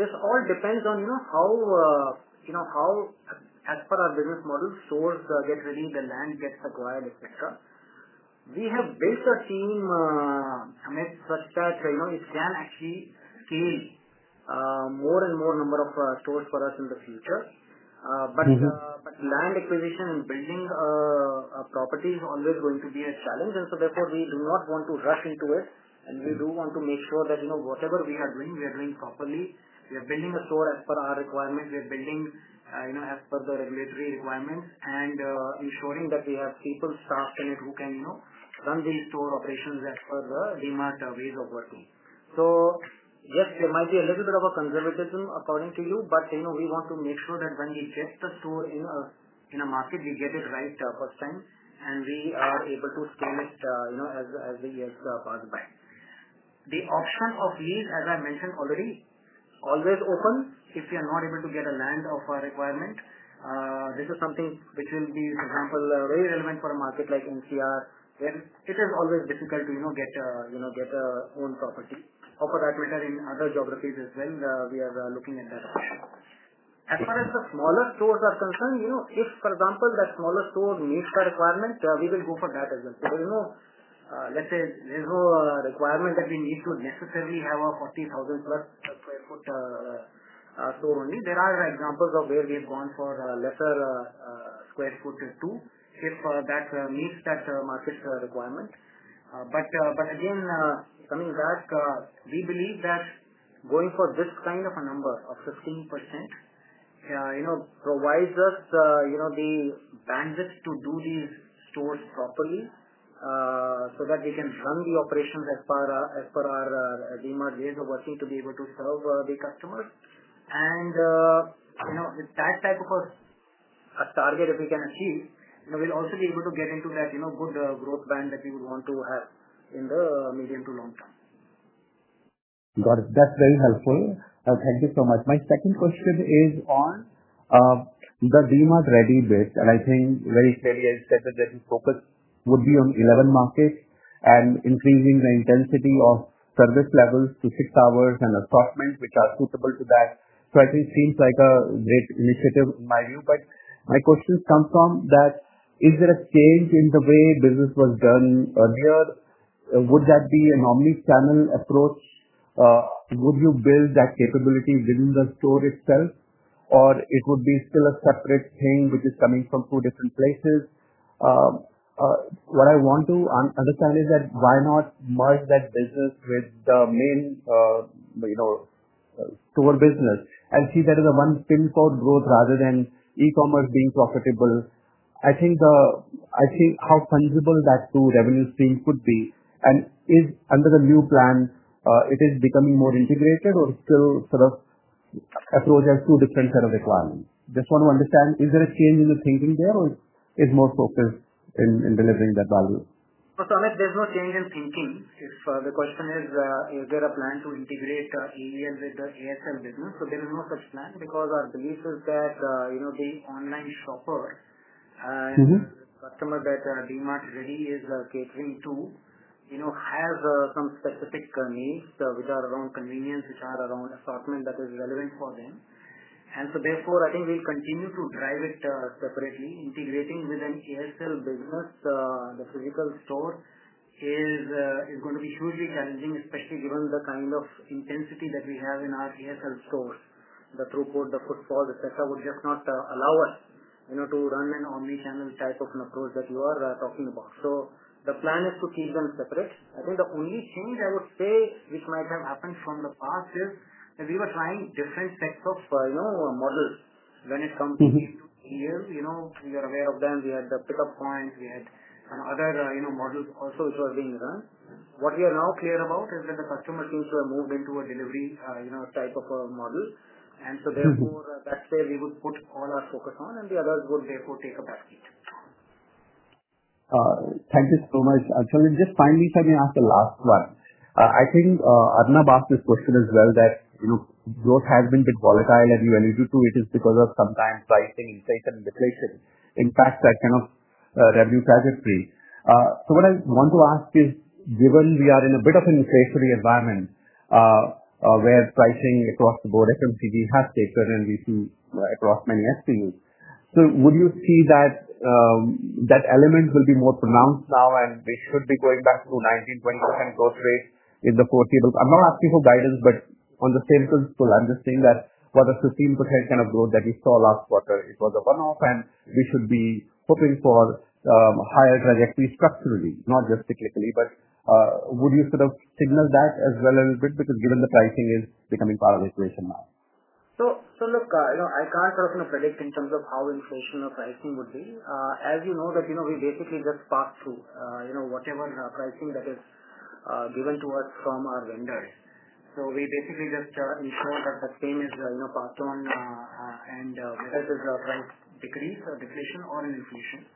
This all depends on how, as per our business model, stores get ready, the land gets acquired, et cetera. We have built a team, Amit, such that it can actually scale more and more number of stores for us in the future. Land acquisition and building a property is always going to be a challenge. Therefore, we do not want to rush into it. We do want to make sure that whatever we are doing, we are doing properly. We are building a store as per our requirement. We are building as per the regulatory requirements and ensuring that we have people staffed in it who can run these store operations as per the DMart ways of working. Yes, there might be a little bit of a conservatism according to you, but we want to make sure that when we get the store in a market, we get it right the first time and we are able to scale it as the years pass by. The option of lease, as I mentioned already, always open if we are not able to get a land of our requirement. This is something which will be, for example, very relevant for a market like NCR, where it is always difficult to get own property. For that matter in other geographies as well, we are looking at that option. As far as the smaller stores are concerned, if, for example, that smaller store meets the requirement, we will go for that as well. There's no requirement that we need to necessarily have a 40,000+ sq ft store. There are examples of where we've gone for lesser square footage too if that meets that market requirement. Again, coming back, we believe that going for this kind of a number of 15% provides us the bandwidth to do these stores properly, so that we can run the operations as per our DMart ways of working to be able to serve the customers. With that type of a target that we can achieve, we'll also be able to get into that good growth band that we would want to have in the medium to long term. Got it. That's very helpful. Thank you so much. My second question is on the DMart Ready bit. I think very clearly you said that the focus would be on 11 markets and increasing the intensity of service levels to six hours and assortment which are suitable to that. I think seems like a great initiative in my view. My question comes from that, is there a change in the way business was done earlier? Would that be an omni-channel approach? Would you build that capability within the store itself, or it would be still a separate thing which is coming from two different places? What I want to understand is that why not merge that business with the main store business and see that as a one pin code growth rather than e-commerce being profitable. I think how tangible that two revenue stream could be and is under the new plan, it is becoming more integrated or still sort of approached as two different set of requirements. Just want to understand, is there a change in the thinking there, or is more focus in delivering that value? Look, there's no change in thinking. If the question is there a plan to integrate AEL with the ASL business? There is no such plan because our belief is that the online shopper- the customer that DMart really is catering to, has some specific needs which are around convenience, which are around assortment that is relevant for them. Therefore, I think we continue to drive it separately. Integrating with an ASL business, the physical store is going to be hugely challenging, especially given the kind of intensity that we have in our ASL stores. The throughput, the foot fall, et cetera, would just not allow us to run an omni-channel type of an approach that you are talking about. The plan is to keep them separate. I think the only change I would say which might have happened from the past is we were trying different sets of models when it comes to AEL. We are aware of them. We had the pickup points, we had some other models also which were being run. What we are now clear about is that the customer seems to have moved into a delivery type of a model. Therefore, that's where we would put all our focus on, and the others would therefore take a back seat. Thank you so much, Anshul. Just finally, if I may ask the last one. I think Arnab asked this question as well, that growth has been bit volatile as you alluded to. It is because of sometimes pricing inflation and deflation, impacts that kind of revenue trajectory. What I want to ask is, given we are in a bit of an inflationary environment, where pricing across the board FMCG has taken and we see across many SKUs. Would you see that element will be more pronounced now and we should be going back to 19%, 20% growth rate in the foreseeable? I'm not asking for guidance, but on the same principle, I'm just saying that for the 15% kind of growth that we saw last quarter, it was a one-off and we should be hoping for higher trajectory structurally, not just cyclically. Would you sort of signal that as well a little bit because given the pricing is becoming part of equation now? Look, I can't sort of predict in terms of how inflation or pricing would be. As you know that we basically just pass through whatever pricing that is given to us from our vendors. We basically just ensure that the same is passed on and whether there's a price decrease or deflation or an inflation.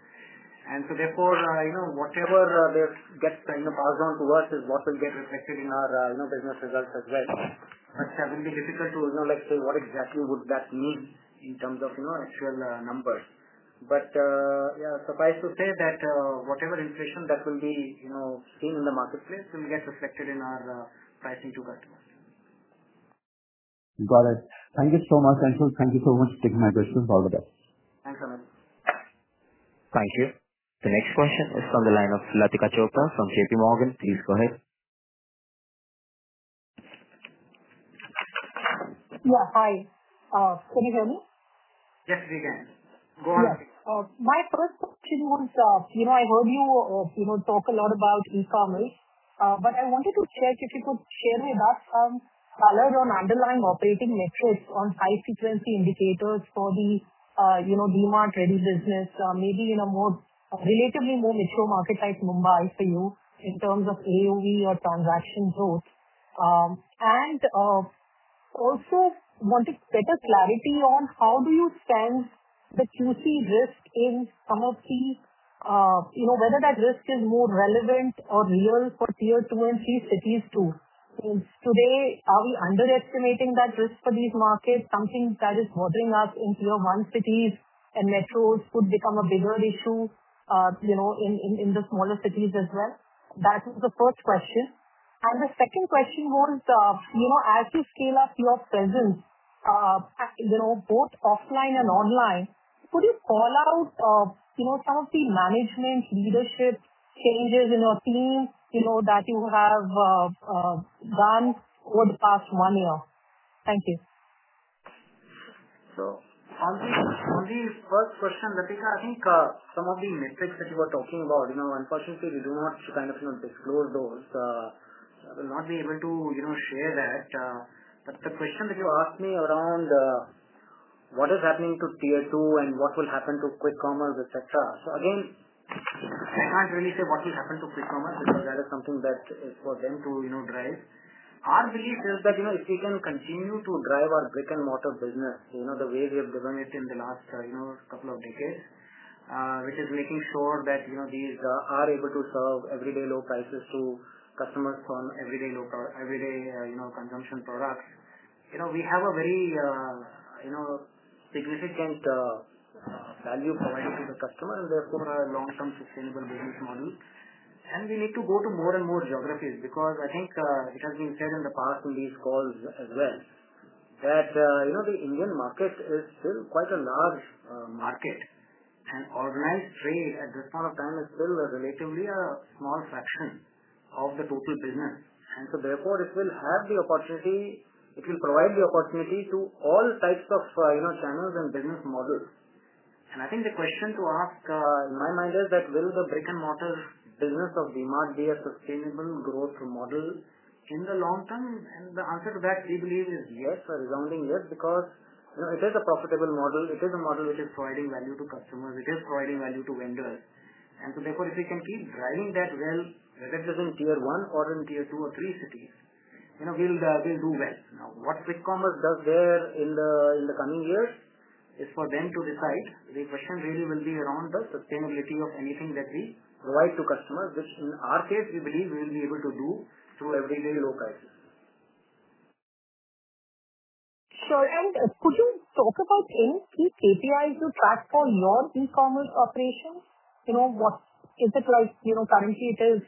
Therefore, whatever gets passed on to us is what will get reflected in our business results as well. That will be difficult to say what exactly would that mean in terms of actual numbers. Yeah, suffice to say that whatever inflation that will be seen in the marketplace will get reflected in our pricing to customers. Got it. Thank you so much, Anshul. Thank you so much for taking my questions. All the best. Thanks, Amit. Thank you. The next question is from the line of Latika Chopra from JPMorgan. Please go ahead. Yeah. Hi. Can you hear me? Yes, we can. Go ahead. My first question was, I heard you talk a lot about e-commerce, but I wanted to check if you could share with us some color on underlying operating metrics on high-frequency indicators for the DMart Ready business, maybe in a relatively more metro market like Mumbai for you in terms of AOV or transaction growth. Also wanted better clarity on how do you sense the QC risk in whether that risk is more relevant or real for Tier 2 and Tier 3 cities too. Since today, are we underestimating that risk for these markets, something that is bothering us in Tier 1 cities and metros could become a bigger issue in the smaller cities as well? That is the first question. The second question was as you scale up your presence both offline and online, could you call out some of the management leadership changes in your team that you have done over the past one year? Thank you. On the first question, Latika, I think some of the metrics that you were talking about, unfortunately, we do not kind of disclose those. I will not be able to share that. The question that you asked me around what is happening to Tier 2 and what will happen to quick commerce, et cetera. Again, I can't really say what will happen to quick commerce because that is something that is for them to drive. Our belief is that if we can continue to drive our brick-and-mortar business the way we have driven it in the last couple of decades, which is making sure that these are able to serve everyday low prices to customers on everyday low cost, everyday consumption products. We have a very significant value provided to the customer and therefore, a long-term sustainable business model. We need to go to more and more geographies because I think it has been said in the past in these calls as well that the Indian market is still quite a large market, and organized trade at this point of time is still a relatively a small fraction of the total business. Therefore, it will provide the opportunity to all types of channels and business models. I think the question to ask in my mind is that will the brick-and-mortar business of DMart be a sustainable growth model in the long term? The answer to that, we believe is yes, a resounding yes because It is a profitable model. It is a model which is providing value to customers. It is providing value to vendors. if we can keep driving that well, whether it is in Tier 1 or in Tier 2 or Tier 3 cities, we'll do well. What quick commerce does there in the coming years is for them to decide. The question really will be around the sustainability of anything that we provide to customers, which in our case, we believe we'll be able to do through everyday low prices. Sure. Could you talk about any key KPIs you track for your e-commerce operations? Is it like currently it is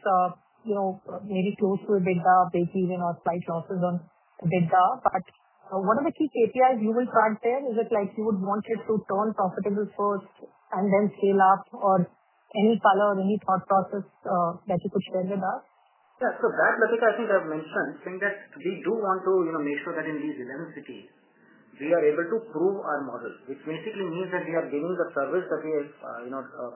maybe close to a bit of breakeven or slight losses on EBITDA? What are the key KPIs you will track there? Is it like you would want it to turn profitable first and then scale up? Or any color or any thought process that you could share with us? Latika, I think I've mentioned, saying that we do want to make sure that in these 11 cities, we are able to prove our model, which basically means that we are giving the service that we have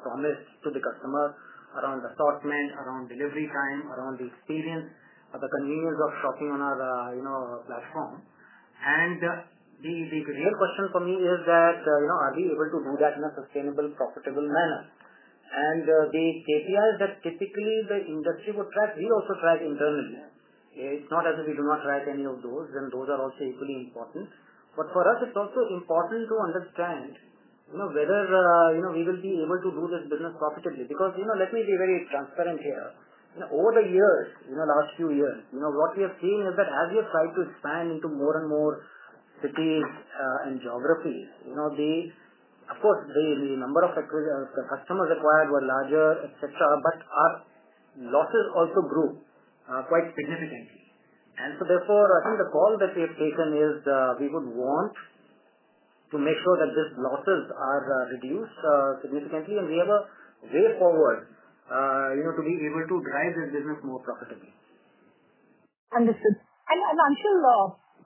promised to the customer around assortment, around delivery time, around the experience or the convenience of shopping on our platform. The real question for me is that, are we able to do that in a sustainable, profitable manner? The KPIs that typically the industry would track, we also track internally. It's not as if we do not track any of those, and those are also equally important. For us, it's also important to understand whether we will be able to do this business profitably because let me be very transparent here. Over the years, last few years, what we are seeing is that as we have tried to expand into more and more cities and geographies, of course, the number of customers acquired were larger, et cetera, our losses also grew quite significantly. I think the call that we have taken is, we would want to make sure that these losses are reduced significantly and we have a way forward to be able to drive this business more profitably. Understood. Anshul,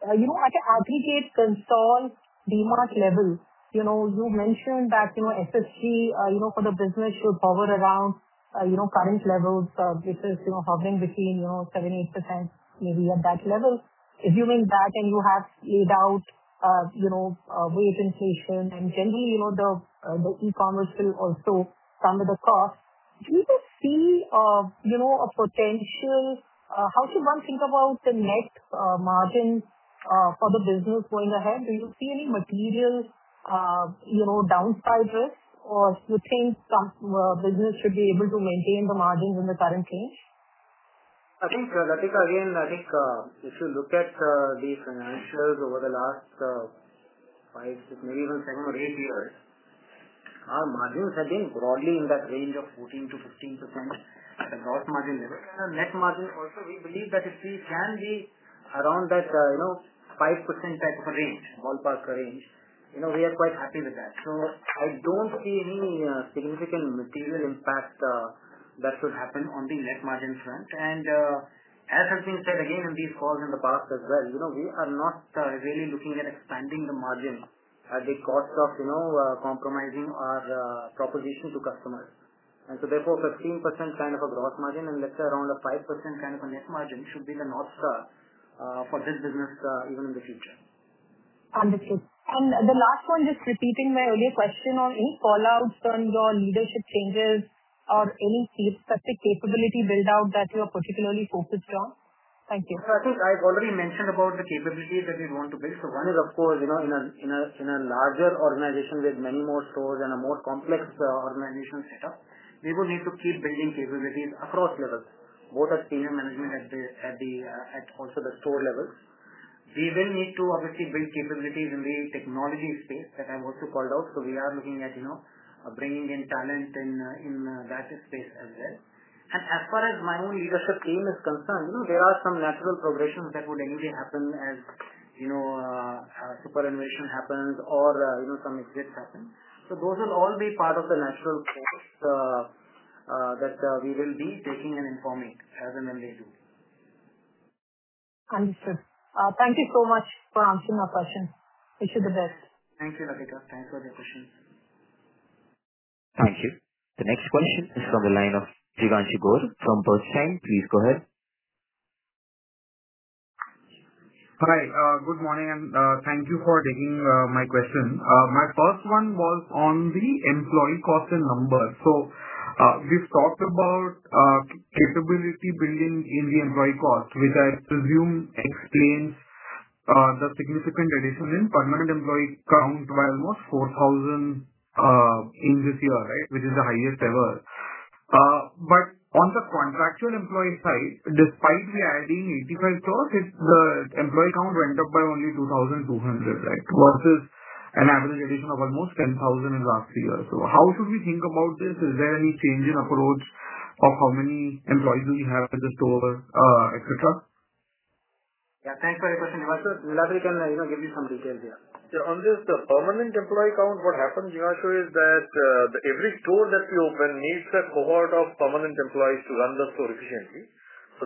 at an aggregate consolidated DMart level, you mentioned that SSG for the business should hover around current levels, which is hovering between 7%-8%, maybe at that level. Assuming that, you have laid out wage inflation and generally the e-commerce will also come with a cost, how should one think about the net margin for the business going ahead? Do you see any material downside risk, or do you think the business should be able to maintain the margins in the current range? I think, Latika, again, I think if you look at the financials over the last five, six, maybe even seven or eight years, our margins have been broadly in that range of 14%-15% at the gross margin level. The net margin also, we believe that it can be around that 5% type of a range, ballpark range. We are quite happy with that. I don't see any significant material impact that should happen on the net margin front. As I've said again in these calls in the past as well, we are not really looking at expanding the margin at the cost of compromising our proposition to customers. Therefore, 15% kind of a gross margin and let's say around a 5% kind of a net margin should be the North Star for this business even in the future. Understood. The last one, just repeating my earlier question on any fallouts on your leadership changes or any specific capability build-out that you are particularly focused on. Thank you. I think I've already mentioned about the capabilities that we want to build. One is, of course, in a larger organization with many more stores and a more complex organizational setup, we would need to keep building capabilities across levels, both at senior management at also the store levels. We will need to obviously build capabilities in the technology space that I've also called out. We are looking at bringing in talent in that space as well. As far as my own leadership team is concerned, there are some natural progressions that would anyway happen as superannuation happens or some exits happen. Those will all be part of the natural course that we will be taking and informing as and when they do. Understood. Thank you so much for answering my questions. Wish you the best. Thank you, Latika. Thanks for the questions. Thank you. The next question is from the line of Jignanshu Gor from. [INAUDIBLE] Please go ahead. Hi. Good morning, and thank you for taking my question. My first one was on the employee cost and numbers. We've talked about capability building in the employee cost, which I presume explains the significant addition in permanent employee count by almost 4,000 in this year, right. Which is the highest ever. On the contractual employee side, despite we adding 85 stores, the employee count went up by only 2,200, right. Versus an average addition of almost 10,000 in last three years. How should we think about this? Is there any change in approach of how many employees do we have in the store, et cetera? Thanks for your question. Niladri can give you some details here. On this permanent employee count, what happens, Jignanshu, is that every store that we open needs a cohort of permanent employees to run the store efficiently.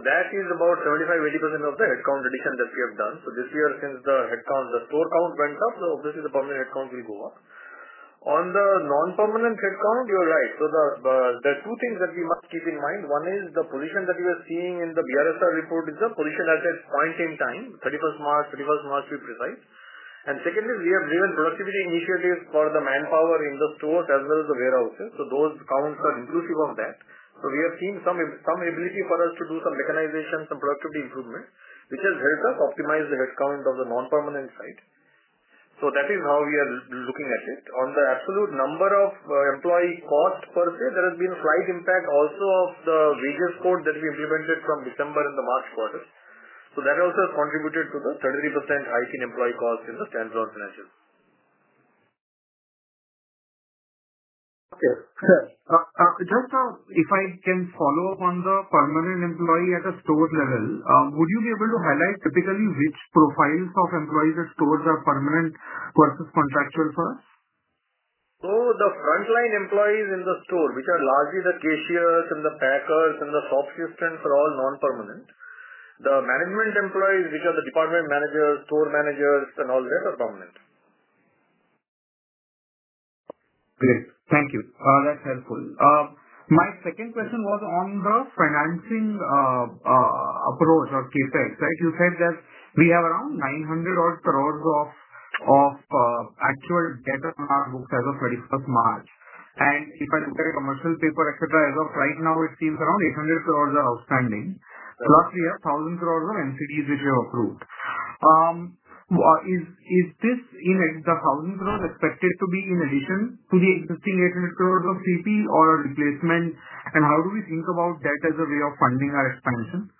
That is about 75%, 80% of the headcount addition that we have done. This year, since the store count went up, so obviously the permanent headcount will go up. On the non-permanent headcount, you're right. There are two things that we must keep in mind. One is the position that we are seeing in the VLSR report is the position as at point in time, March 31st, to be precise. Second is we have driven productivity initiatives for the manpower in the stores as well as the warehouses. Those counts are inclusive of that. We are seeing some ability for us to do some mechanization, some productivity improvement, which has helped us optimize the headcount of the non-permanent side. That is how we are looking at it. On the absolute number of employee cost per se, there has been slight impact also of the wages code that we implemented from December in the March quarter. That also has contributed to the 33% hike in employee cost in the same store sales. Just if I can follow up on the permanent employee at a store level, would you be able to highlight typically which profiles of employees at stores are permanent versus contractual for us? The frontline employees in the store, which are largely the cashiers and the packers and the shop assistants are all non-permanent. The management employees, which are the department managers, store managers and all that are permanent. Great. Thank you. That's helpful. My second question was on the financing approach or CapEx, right? You said that we have around 900 odd crore of actual debt on our books as of March 31st. If I look at a commercial paper, et cetera, as of right now, it seems around 800 crore are outstanding. Last year, 1,000 crore of NCDs, which you have approved. Is this 1,000 crore expected to be in addition to the existing 800 crore of CP or a replacement? How do we think about that as a way of funding our expansion?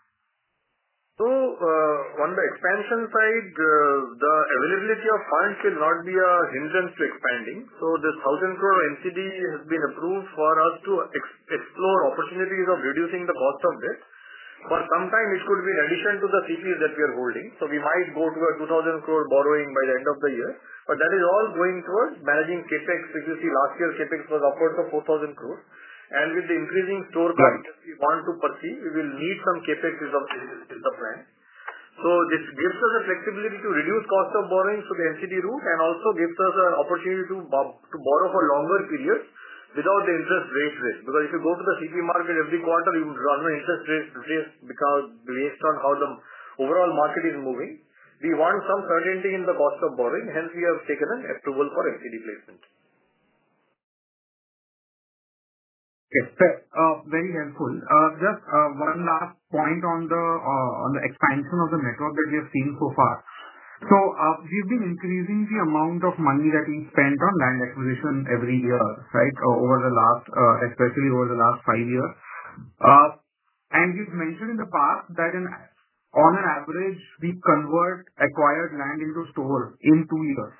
On the expansion side, the availability of funds should not be a hindrance to expanding. The 1,000 crore NCD has been approved for us to explore opportunities of reducing the cost of debt. Sometime it could be in addition to the CPs that we are holding. We might go to a 2,000 crore borrowing by the end of the year. That is all going towards managing CapEx. Last year CapEx was upwards of 4,000 crore. With the increasing store count that we want to pursue, we will need some CapEx as of this supply. This gives us the flexibility to reduce cost of borrowing through the NCD route and also gives us an opportunity to borrow for longer periods without the interest rate risk. If you go to the CP market every quarter, you run an interest rate risk based on how the overall market is moving. We want some certainty in the cost of borrowing, hence we have taken an approval for NCD placement. Yes. Very helpful. Last point on the expansion of the network that we have seen so far. We've been increasing the amount of money that we spend on land acquisition every year, right? Especially over the last five years. We've mentioned in the past that on an average, we convert acquired land into stores in two years.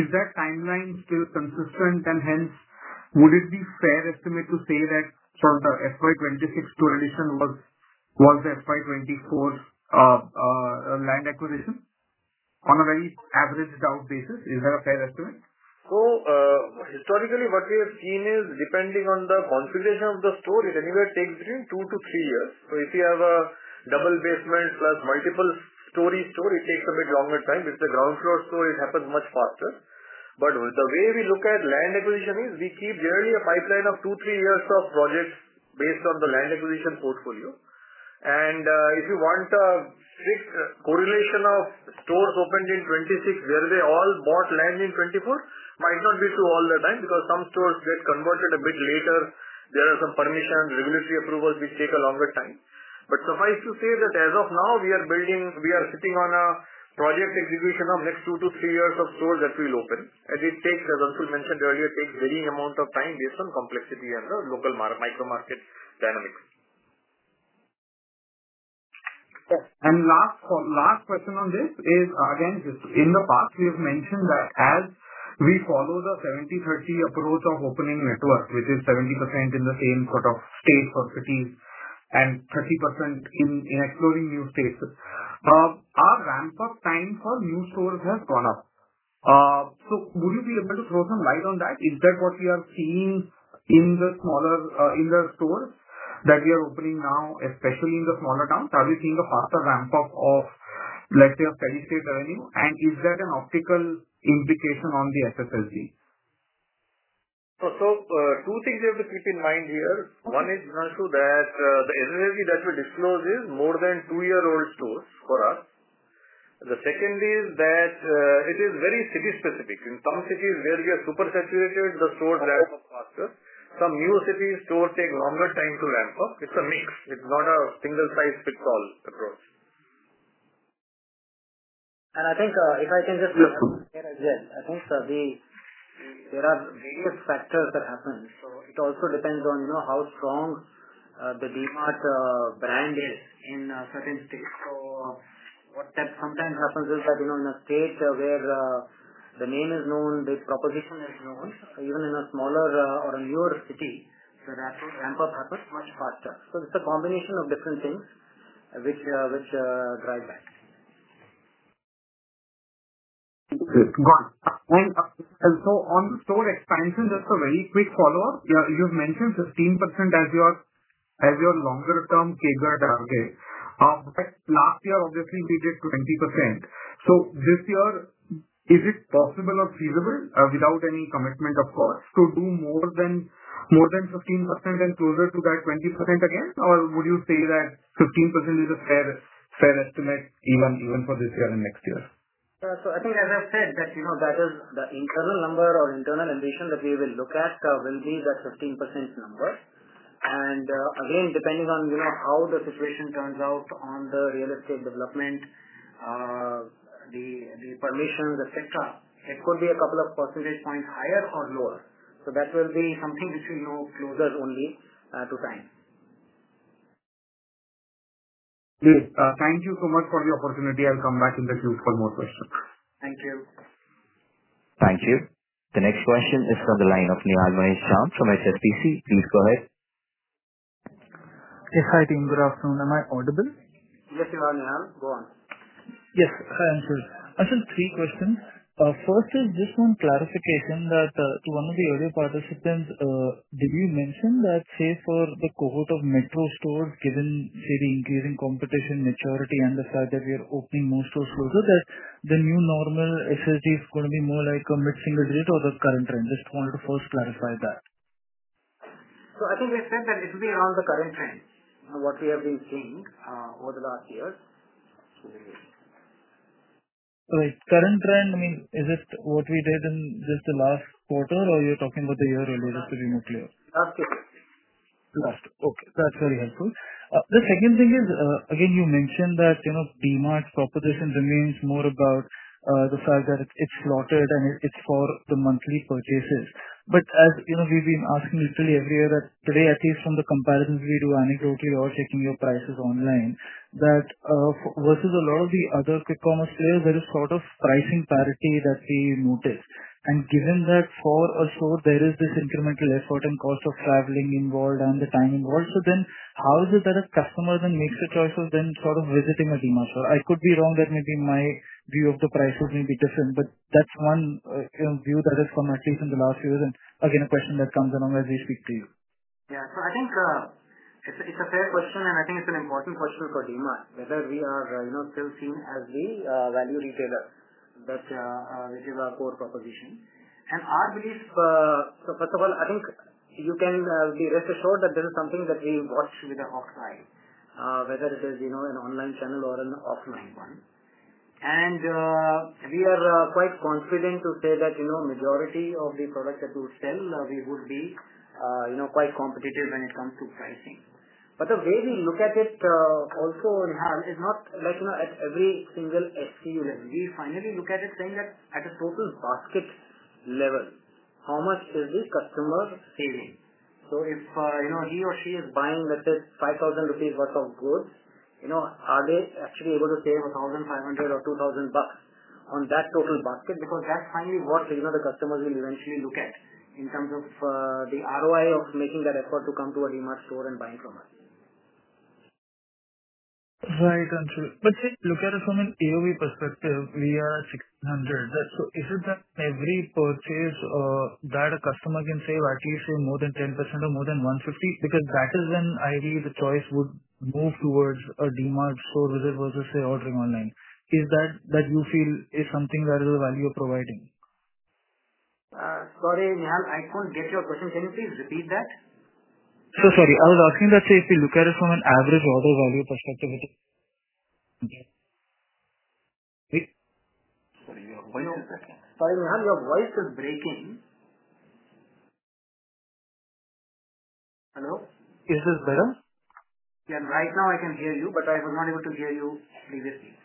Is that timeline still consistent? Hence, would it be fair estimate to say that the fiscal year 2026 store addition was the fiscal year 2024 land acquisition on a very averaged out basis? Is that a fair estimate? Historically, what we have seen is, depending on the configuration of the store, it anywhere takes between two to three years. If you have a double basement plus multiple story store, it takes a bit longer time. If it's a ground floor store, it happens much faster. The way we look at land acquisition is we keep generally a pipeline of two, three years of projects based on the land acquisition portfolio. If you want a strict correlation of stores opened in 2026, where they all bought land in 2024, might not be true all the time because some stores get converted a bit later. There are some permissions, regulatory approvals which take a longer time. Suffice to say that as of now, we are sitting on a project execution of next two to three years of stores that we'll open. As Anshul mentioned earlier, it takes varying amount of time based on complexity as a local micro market dynamic. Last question on this is, again, in the past we have mentioned that as we follow the 70/30 approach of opening network, which is 70% in the same sort of states or cities and 30% in exploring new states. Our ramp-up time for new stores has gone up. Would you be able to throw some light on that? Is that what we are seeing in the stores that we are opening now, especially in the smaller towns? Are we seeing a faster ramp-up of, let's say, a steady-state earning? Is there an optical implication on the SSSG? Two things we have to keep in mind here. One is, Anshul, that the SSG that we disclose is more than two-year-old stores for us. The second is that it is very city specific. In some cities where we are super saturated, the stores ramp up faster. Some new cities' stores take longer time to ramp up. It's a mix. It's not a single size fits all approach. I think if I can just add here as well. I think there are various factors that happen. It also depends on how strong the DMart brand is in certain states. What sometimes happens is that in a state where the name is known, the proposition is known, even in a smaller or a newer city, the ramp-up happens much faster. It's a combination of different things which drive that. Good. Got it. On the store expansion, just a very quick follow-up. You've mentioned 15% as your As your longer term CAGR target, last year obviously we did 20%. This year, is it possible or feasible without any commitment, of course, to do more than 15% and closer to that 20% again? Or would you say that 15% is a fair estimate even for this year and next year? I think as I said that is the internal number or internal ambition that we will look at will be the 15% number. Again, depending on how the situation turns out on the real estate development, the permissions, et cetera, it could be a couple of percentage points higher or lower. That will be something which will know closer only to time. Thank you so much for the opportunity. I will come back in the queue for more questions. Thank you. Thank you. The next question is from the line of Nihal Mahesh Jham from HSBC. Please go ahead. Yes, hi, team. Good afternoon. Am I audible? Yes, you are, Nihal. Go on. Yes. Hi, Anshul. Anshul, three questions. First is just one clarification that to one of the earlier participants, did you mention that, say, for the cohort of metro stores given, say, the increasing competition maturity and the fact that we are opening more stores closer, that the new normal SSG is going to be more like a mid-single digit or the current trend? Just wanted to first clarify that. I think we've said that it will be around the current trend, what we have been seeing over the last years. Right. Current trend means is it what we did in just the last quarter or you're talking about the year alluded to be more clear? Last year. Last year. Okay, that's very helpful. The second thing is, again, you mentioned that DMart's proposition remains more about the fact that it's slotted and it's for the monthly purchases. As we've been asking literally every year that today, at least from the comparisons we do anecdotally or checking your prices online, that versus a lot of the other quick commerce players, there is sort of pricing parity that we notice. Given that for a store, there is this incremental effort and cost of traveling involved and the time involved. How is it that a customer then makes the choice of then sort of visiting a DMart store? I could be wrong. That may be my view of the prices may be different, but that's one view that has come at least in the last few years, and again, a question that comes along as we speak to you. Yeah. I think it's a fair question and I think it's an important question for DMart, whether we are still seen as the value retailer. That is our core proposition. Our belief. First of all, I think you can be rest assured that this is something that we watch with a hawk's eye, whether it is an online channel or an offline one. We are quite confident to say that majority of the products that we sell, we would be quite competitive when it comes to pricing. The way we look at it also, Nihal, is not at every single SKU level. We finally look at it saying that at a total basket level, how much is the customer saving? If he or she is buying, let's say, 5,000 rupees worth of goods, are they actually able to save 1,500 or INR 2,000 on that total basket? That's finally what the customers will eventually look at in terms of the ROI of making that effort to come to a DMart store and buying from us. Right, Anshul. Say, look at it from an AOV perspective, we are 600. Is it that every purchase that a customer can save, at least say more than 10% or more than 150? That is when ideally the choice would move towards a DMart store visit versus say, ordering online. Is that you feel is something that is the value you're providing? Sorry, Nihal. I couldn't get your question. Can you please repeat that? Sorry. I was asking that, say, if you look at it from an average order value perspective, which is Sorry. One second. Nihal, your voice is breaking. Hello? Is this better? Yeah. Right now I can hear you, but I was not able to hear you previously.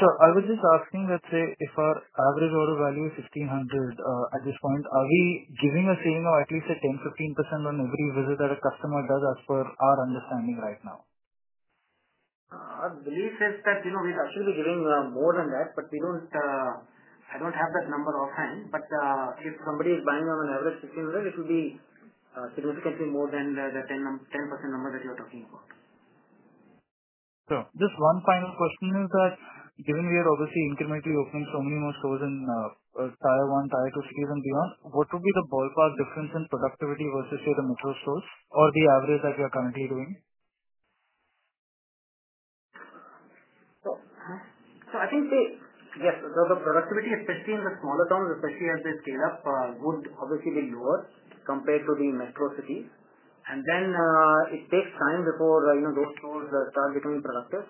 Sure. I was just asking that, say, if our average order value is 1,500 at this point, are we giving a saving of at least say, 10%-15% on every visit that a customer does as per our understanding right now? Our belief is that we should be giving more than that, I don't have that number offhand. If somebody is buying on an average 1,500 rupees, it will be significantly more than the 10% number that you're talking about. Sure. Just one final question is that given we are obviously incrementally opening so many more stores in Tier 1, Tier 2 cities and beyond, what would be the ballpark difference in productivity versus, say, the metro stores or the average that you're currently doing? I think the productivity, especially in the smaller towns, especially as they scale up, would obviously be lower compared to the metro cities. It takes time before those stores start becoming productive.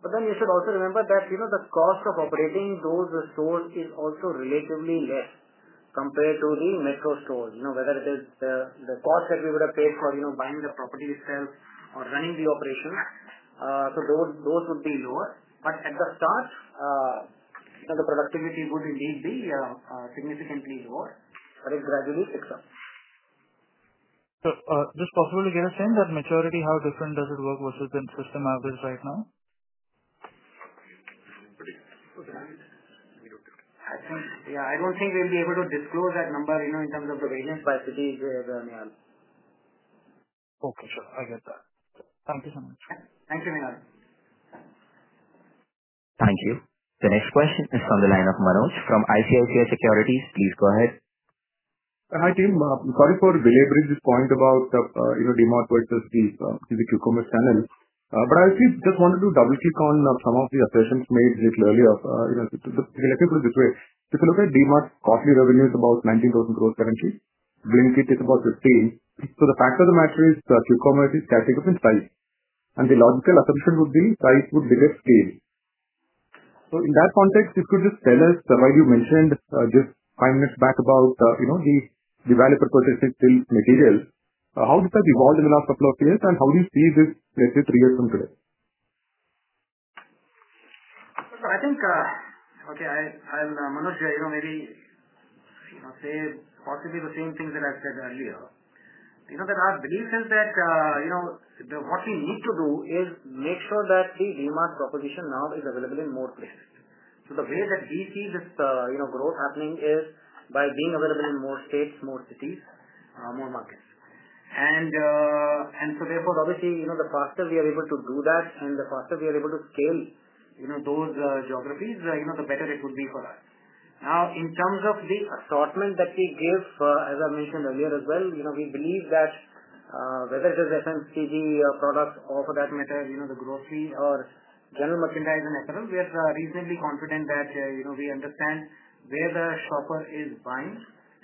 You should also remember that the cost of operating those stores is also relatively less compared to the metro stores. Whether it is the cost that we would have paid for buying the property itself or running the operations. Those would be lower. At the start, the productivity would indeed be significantly lower, but it gradually picks up. Just possibly get a sense that maturity, how different does it work versus the system average right now? I think, yeah, I don't think we'll be able to disclose that number in terms of the variance by city there, Nihal. Okay, sure. I get that. Thank you so much. Thank you, Nihal. Thank you. The next question is on the line of Manoj Menon from ICICI Securities. Please go ahead. Hi, team. Sorry for the delay to raise this point about DMart versus the quick commerce channel. I actually just wanted to double-check on some of the assertions made little earlier. Let me put it this way. If you look at DMart, quarterly revenue is about 19,000 growth currently. Blinkit is about 15. The fact of the matter is, quick commerce is catching up in size, and the logical assumption would be price would dictate scale. In that context, if you could just tell us why you mentioned just five minutes back about the value proposition still material. How has that evolved in the last couple of years, and how do you see this, let's say, three years from today? Manoj, I will say possibly the same things that I said earlier. Our belief is that what we need to do is make sure that the DMart proposition now is available in more places. The way that we see this growth happening is by being available in more states, more cities, more markets. Therefore, obviously, the faster we are able to do that and the faster we are able to scale those geographies, the better it would be for us. In terms of the assortment that we gave, as I mentioned earlier as well, we believe that whether it is FMCG products or for that matter, the grocery or general merchandise and et cetera, we are reasonably confident that we understand where the shopper is buying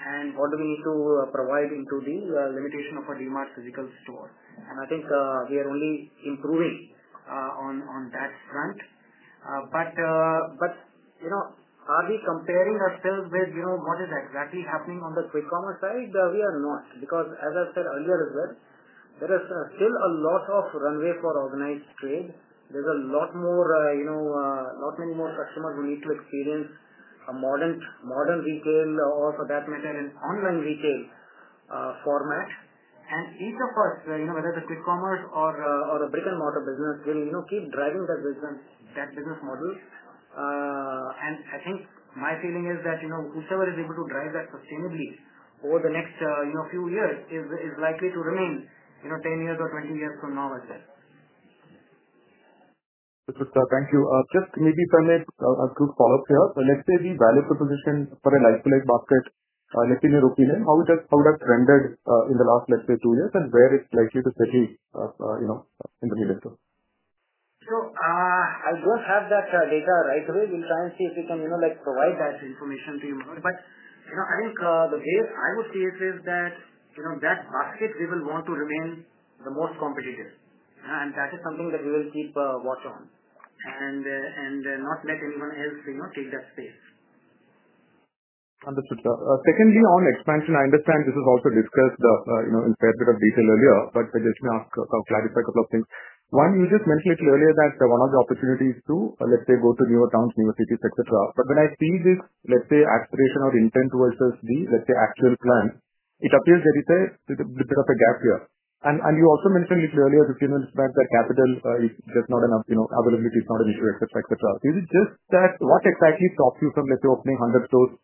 and what we need to provide into the limitation of a DMart physical store. I think we are only improving on that front. Are we comparing ourselves with what is exactly happening on the quick commerce side? We are not, because as I said earlier as well, there is still a lot of runway for organized scale. There's a lot many more customers who need to experience a modern retail or for that matter, an online retail format. Each of us, whether it's a quick commerce or a brick-and-mortar business, we'll keep driving that business model. I think my feeling is that, whosoever is able to drive that sustainably over the next few years is likely to remain 10 years or 20 years from now as well. Thank you. Just maybe if I may, a two follow-up here. Let's say the value proposition for a like-for-like basket, in your opinion, how that's rendered in the last, let's say, two years, and where it's likely to settle in the medium term? I don't have that data right away. We'll try and see if we can provide that information to you. I think the way I would see it is that basket we will want to remain the most competitive, and that is something that we will keep a watch on and not let anyone else take that space. Understood. Secondly, on expansion, I understand this is also discussed in fair bit of detail earlier, could you clarify a couple of things. One, you just mentioned little earlier that one of the opportunities to, let's say, go to newer towns, newer cities, et cetera. When I see this, let's say, acceleration or intent versus the, let's say, actual plan, it appears there is a bit of a gap here. You also mentioned little earlier, 15 minutes back, that capital availability is not an issue, et cetera. What exactly stops you from, let's say, opening 100 stores?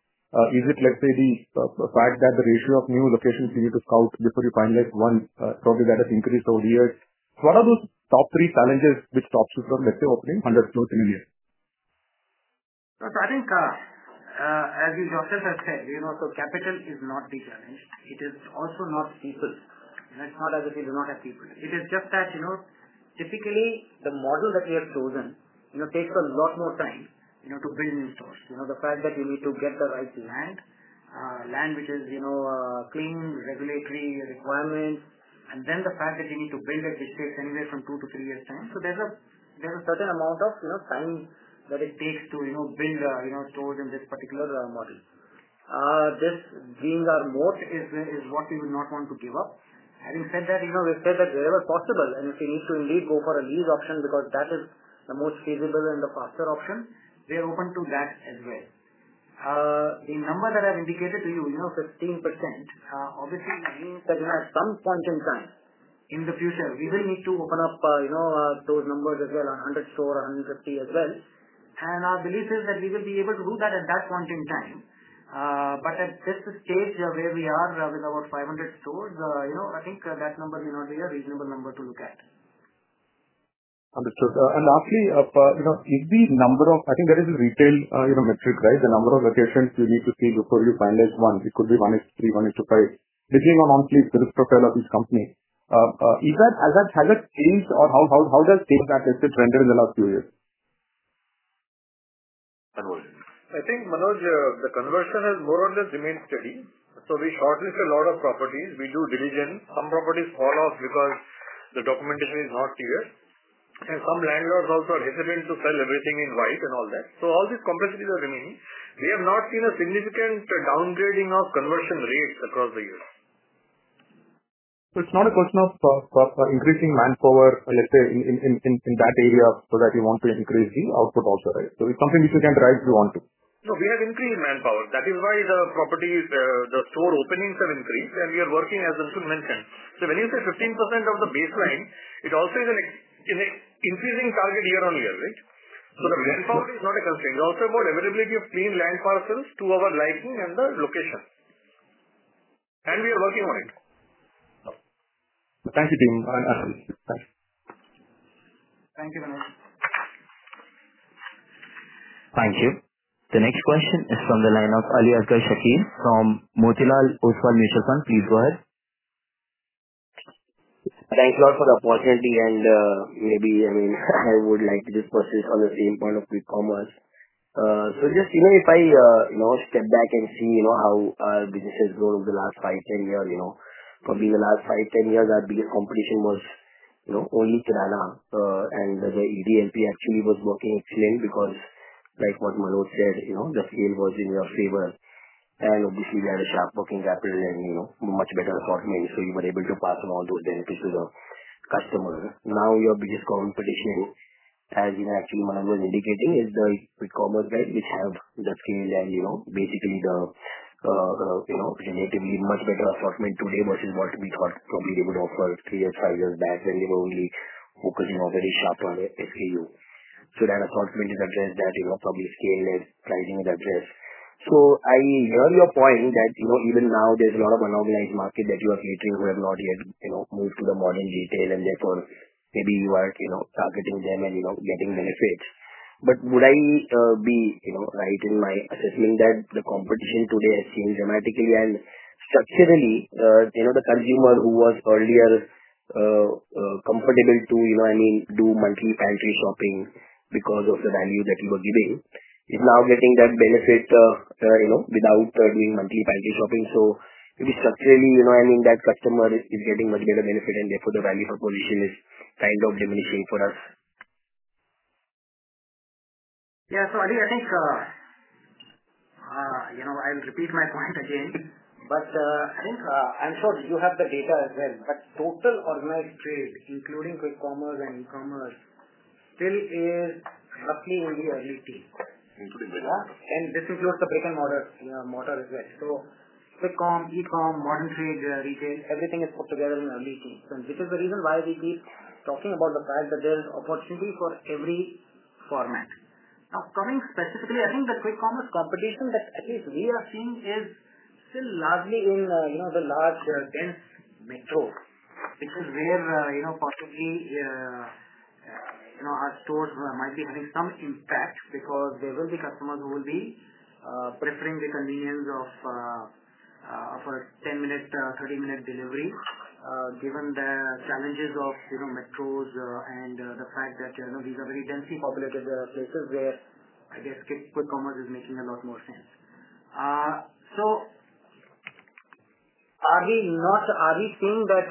Is it, let's say, the fact that the ratio of new locations you need to scout before you finalize one, probably that has increased over the years? What are those top three challenges which stops you from, let's say, opening 100 stores in a year? I think as we discussed, capital is not the challenge. It is also not people. It's not as if we do not have people. It is just that typically, the model that we have chosen takes a lot more time to build new stores. The fact that you need to get the right land which is clean regulatory requirements, and then the fact that you need to build it, which takes anywhere from two to three years' time. There's a certain amount of time that it takes to build stores in this particular model. This being our moat is what we would not want to give up. Having said that, we've said that wherever possible, and if we need to indeed go for a lease option because that is the most feasible and the faster option, we are open to that as well. The number that I've indicated to you, 15%, obviously means that at some point in time in the future, we will need to open up those numbers as well, 100 store or 150 store as well. Our belief is that we will be able to do that at that point in time. At this stage where we are with our 500 stores, I think that number is a very reasonable number to look at. Understood. Lastly, I think there is a retail metric, the number of locations you need to see before you finalize one. It could be 1:3, 1:5, depending on obviously the risk profile of each company. Has that changed or how does that metric render in the last few years? I think, Manoj, the conversion has more or less remained steady. We shortlist a lot of properties. We do diligence. Some properties fall off because the documentation is not clear, some landlords also are hesitant to sell everything in white and all that. All these complexities are remaining. We have not seen a significant downgrading of conversion rates across the years. It's not a question of increasing manpower, let's say, in that area so that you want to increase the output also, right? It's something which you can drive if you want to. No, we have increased manpower. That is why the store openings have increased, and we are working as Anshul mentioned. When you say 15% of the baseline, it also is an increasing target year-on-year, right? The manpower is not a constraint. It's also about availability of clean land parcels to our liking and the location. We are working on it. Thank you. Thank you, Manoj. Thank you. The next question is from the line of Aliasgar Shakir from Motilal Oswal [Asset Management]. Please go ahead. Thanks a lot for the opportunity. Maybe I would like to just persist on the same point of quick commerce. Just if I now step back and see how our business has grown over the last five, 10 years. Probably the last five, 10 years, our biggest competition was only kirana, and the EDLP actually was working excellent because like what Manoj said, the scale was in your favor. Obviously we had a sharp working capital and much better assortment, so you were able to pass on all those benefits to the customers. Now your biggest competition, as actually Manoj was indicating, is the quick commerce guys, which have the scale and basically the relatively much better assortment today versus what we thought probably they would offer three or five years back when we were only focusing already sharp on the SKU. That assortment is addressed that, probably scale and pricing is addressed. I hear your point that even now there's a lot of unorganized market that you are catering to who have not yet moved to the modern retail and therefore maybe you are targeting them and getting benefits. Would I be right in my assessing that the competition today has changed dramatically and structurally, the consumer who was earlier comfortable to do monthly pantry shopping because of the value that you were giving is now getting that benefit without doing monthly pantry shopping. Is it structurally, that customer is getting much better benefit and therefore the value proposition is kind of diminishing for us? Yeah. Ali, I think I'll repeat my point again, but I think, and sir you have the data as well, but total organized trade, including quick commerce and e-commerce, still is roughly only early teens. This includes the brick and mortar as well. Quick com, e-com, modern trade, retail, everything is put together in early teens. This is the reason why we keep talking about the fact that there's opportunity for every format. Coming specifically, I think the quick commerce competition that at least we are seeing is still largely in the large, dense metro, which is where possibly our stores might be having some impact because there will be customers who will be preferring the convenience of a 10-minute, 30-minute delivery, given the challenges of metros and the fact that these are very densely populated places where I guess quick commerce is making a lot more sense. Are we seeing that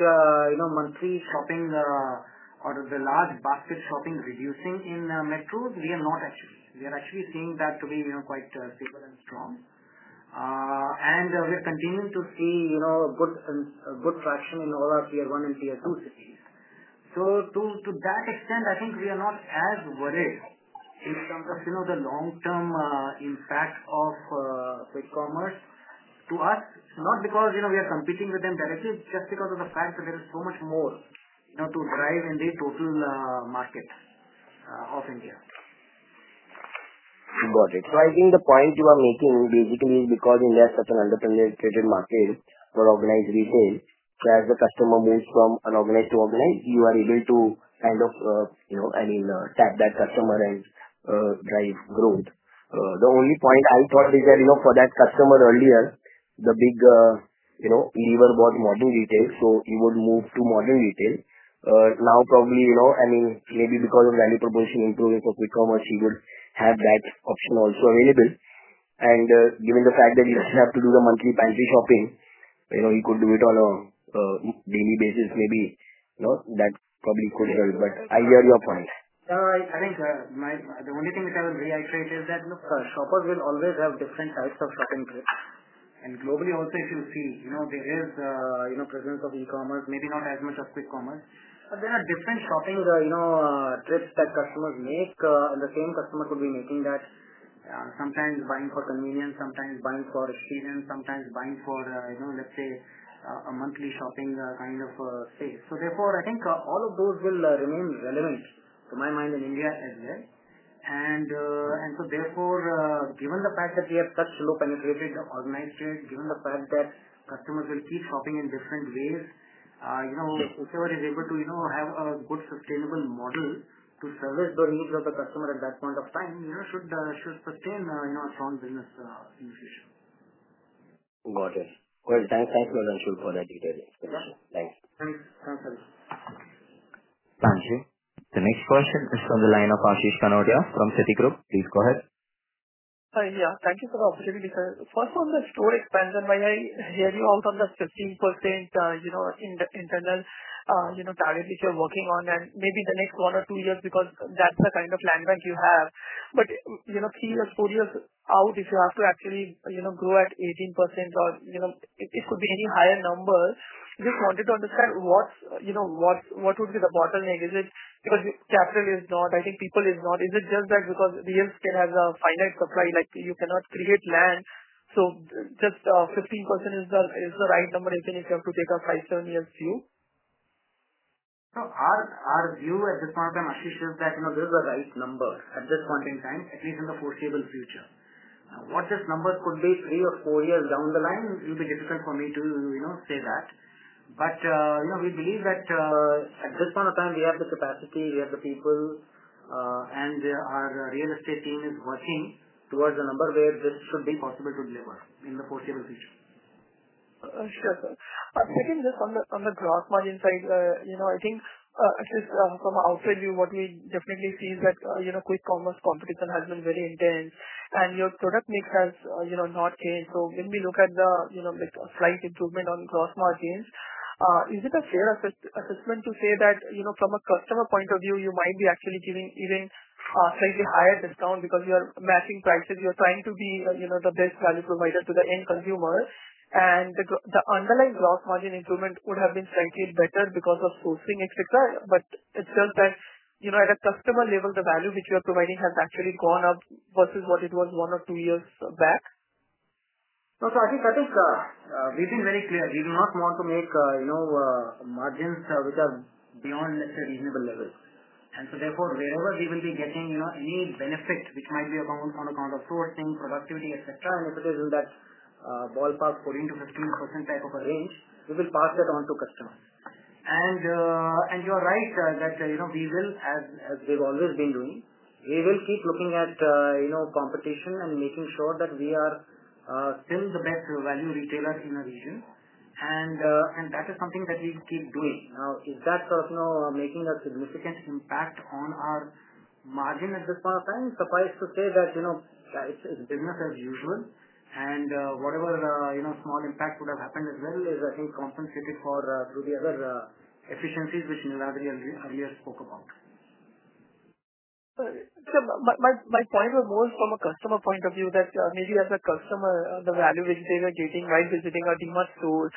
monthly shopping or the large basket shopping reducing in metros? We are not actually. We are actually seeing that to be quite stable and strong. We are continuing to see a good traction in all our Tier 1 and Tier 2 cities. To that extent, I think we are not as worried in terms of the long-term impact of quick commerce to us, not because we are competing with them directly, just because of the fact that there is so much more to drive in the total market of India. Got it. I think the point you are making basically is because India is such an underpenetrated market for organized retail, so as the customer moves from unorganized to organized, you are able to kind of tap that customer and drive growth. The only point I thought is that for that customer earlier, the big lever was modern retail, so he would move to modern retail. Now, probably, maybe because of value proposition improving for quick commerce, he will have that option also available. Given the fact that he doesn't have to do the monthly pantry shopping, he could do it on a daily basis, maybe, that probably could help. I hear your point. Sir, I think the only thing which I would reiterate is that look, shoppers will always have different types of shopping trips. Globally also, if you see, there is presence of e-commerce, maybe not as much as quick commerce, but there are different shopping trips that customers make. The same customer could be making that, sometimes buying for convenience, sometimes buying for experience, sometimes buying for, let's say, a monthly shopping kind of space. Therefore, I think all of those will remain relevant to my mind in India as well. Therefore, given the fact that we are such low penetrated organized trade, given the fact that customers will keep shopping in different ways, whichever is able to have a good sustainable model to service the needs of the customer at that point of time should sustain a strong business in the future. Got it. Well, thanks a lot for that detailed explanation. Thanks, Aliasgar. Thank you. The next question is from the line of Ashish Kanodia from Citi. Please go ahead. Hi. Yeah. Thank you for the opportunity, sir. First on the store expansion, where I hear you out on the 15% internal target which you're working on and maybe the next one or two years, because that's the kind of land bank you have, but three or four years out, if you have to actually grow at 18% or it could be any higher number, just wanted to understand what would be the bottleneck. Is it because capital is not, I think people is not, is it just that because DLF can have a finite supply, like you cannot create land? Just 15% is the right number, even if you have to take a five, 10 year view? No. Our view at this point in time, Ashish, is that this is the right number at this point in time, at least in the foreseeable future. What this number could be three or four years down the line, it will be difficult for me to say that. We believe that at this point in time, we have the capacity, we have the people, and our real estate team is working towards a number where this should be possible to deliver in the foreseeable future. Sure, sir. Secondly, just on the gross margin side, I think, Ashish, from an outside view, what we definitely see is that quick commerce competition has been very intense, and your product mix has not changed. When we look at the slight improvement on gross margins, is it a fair assessment to say that from a customer point of view, you might be actually giving even a slightly higher discount because you are matching prices, you are trying to be the best value provider to the end consumer, and the underlying gross margin improvement would have been slightly better because of sourcing, et cetera, but it's just that at a customer level, the value which you are providing has actually gone up versus what it was one or two years back? No. I think we've been very clear. We do not want to make margins which are beyond reasonable levels. Therefore, wherever we will be getting any benefit which might be on account of sourcing, productivity, et cetera, and if it is in that ball park 14%-15% type of a range, we will pass that on to customers. You are right that we will, as we've always been doing, we will keep looking at competition and making sure that we are still the best value retailer in the region, and that is something that we will keep doing. Is that making a significant impact on our margin at this point of time? Suffice to say that it's business as usual, and whatever small impact would have happened as well is, I think, compensated for through the other efficiencies which Niladri earlier spoke about. Sir, my point was more from a customer point of view that maybe as a customer, the value which they were getting while visiting a DMart store,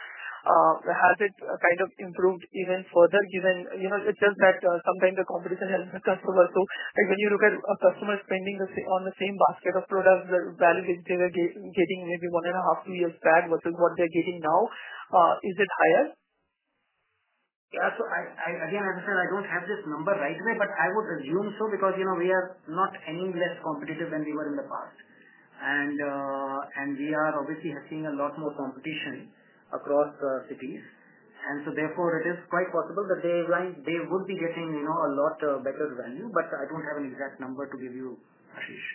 has it kind of improved even further given it's just that sometimes the competition helps the customer. When you look at a customer spending on the same basket of products, the value which they were getting maybe one and a half, two years back versus what they're getting now, is it higher? Yeah. Again, as I said, I don't have this number right away, but I would assume so because we are not any less competitive than we were in the past. We are obviously seeing a lot more competition across cities, therefore it is quite possible that they would be getting a lot better value. I don't have an exact number to give you, Ashish.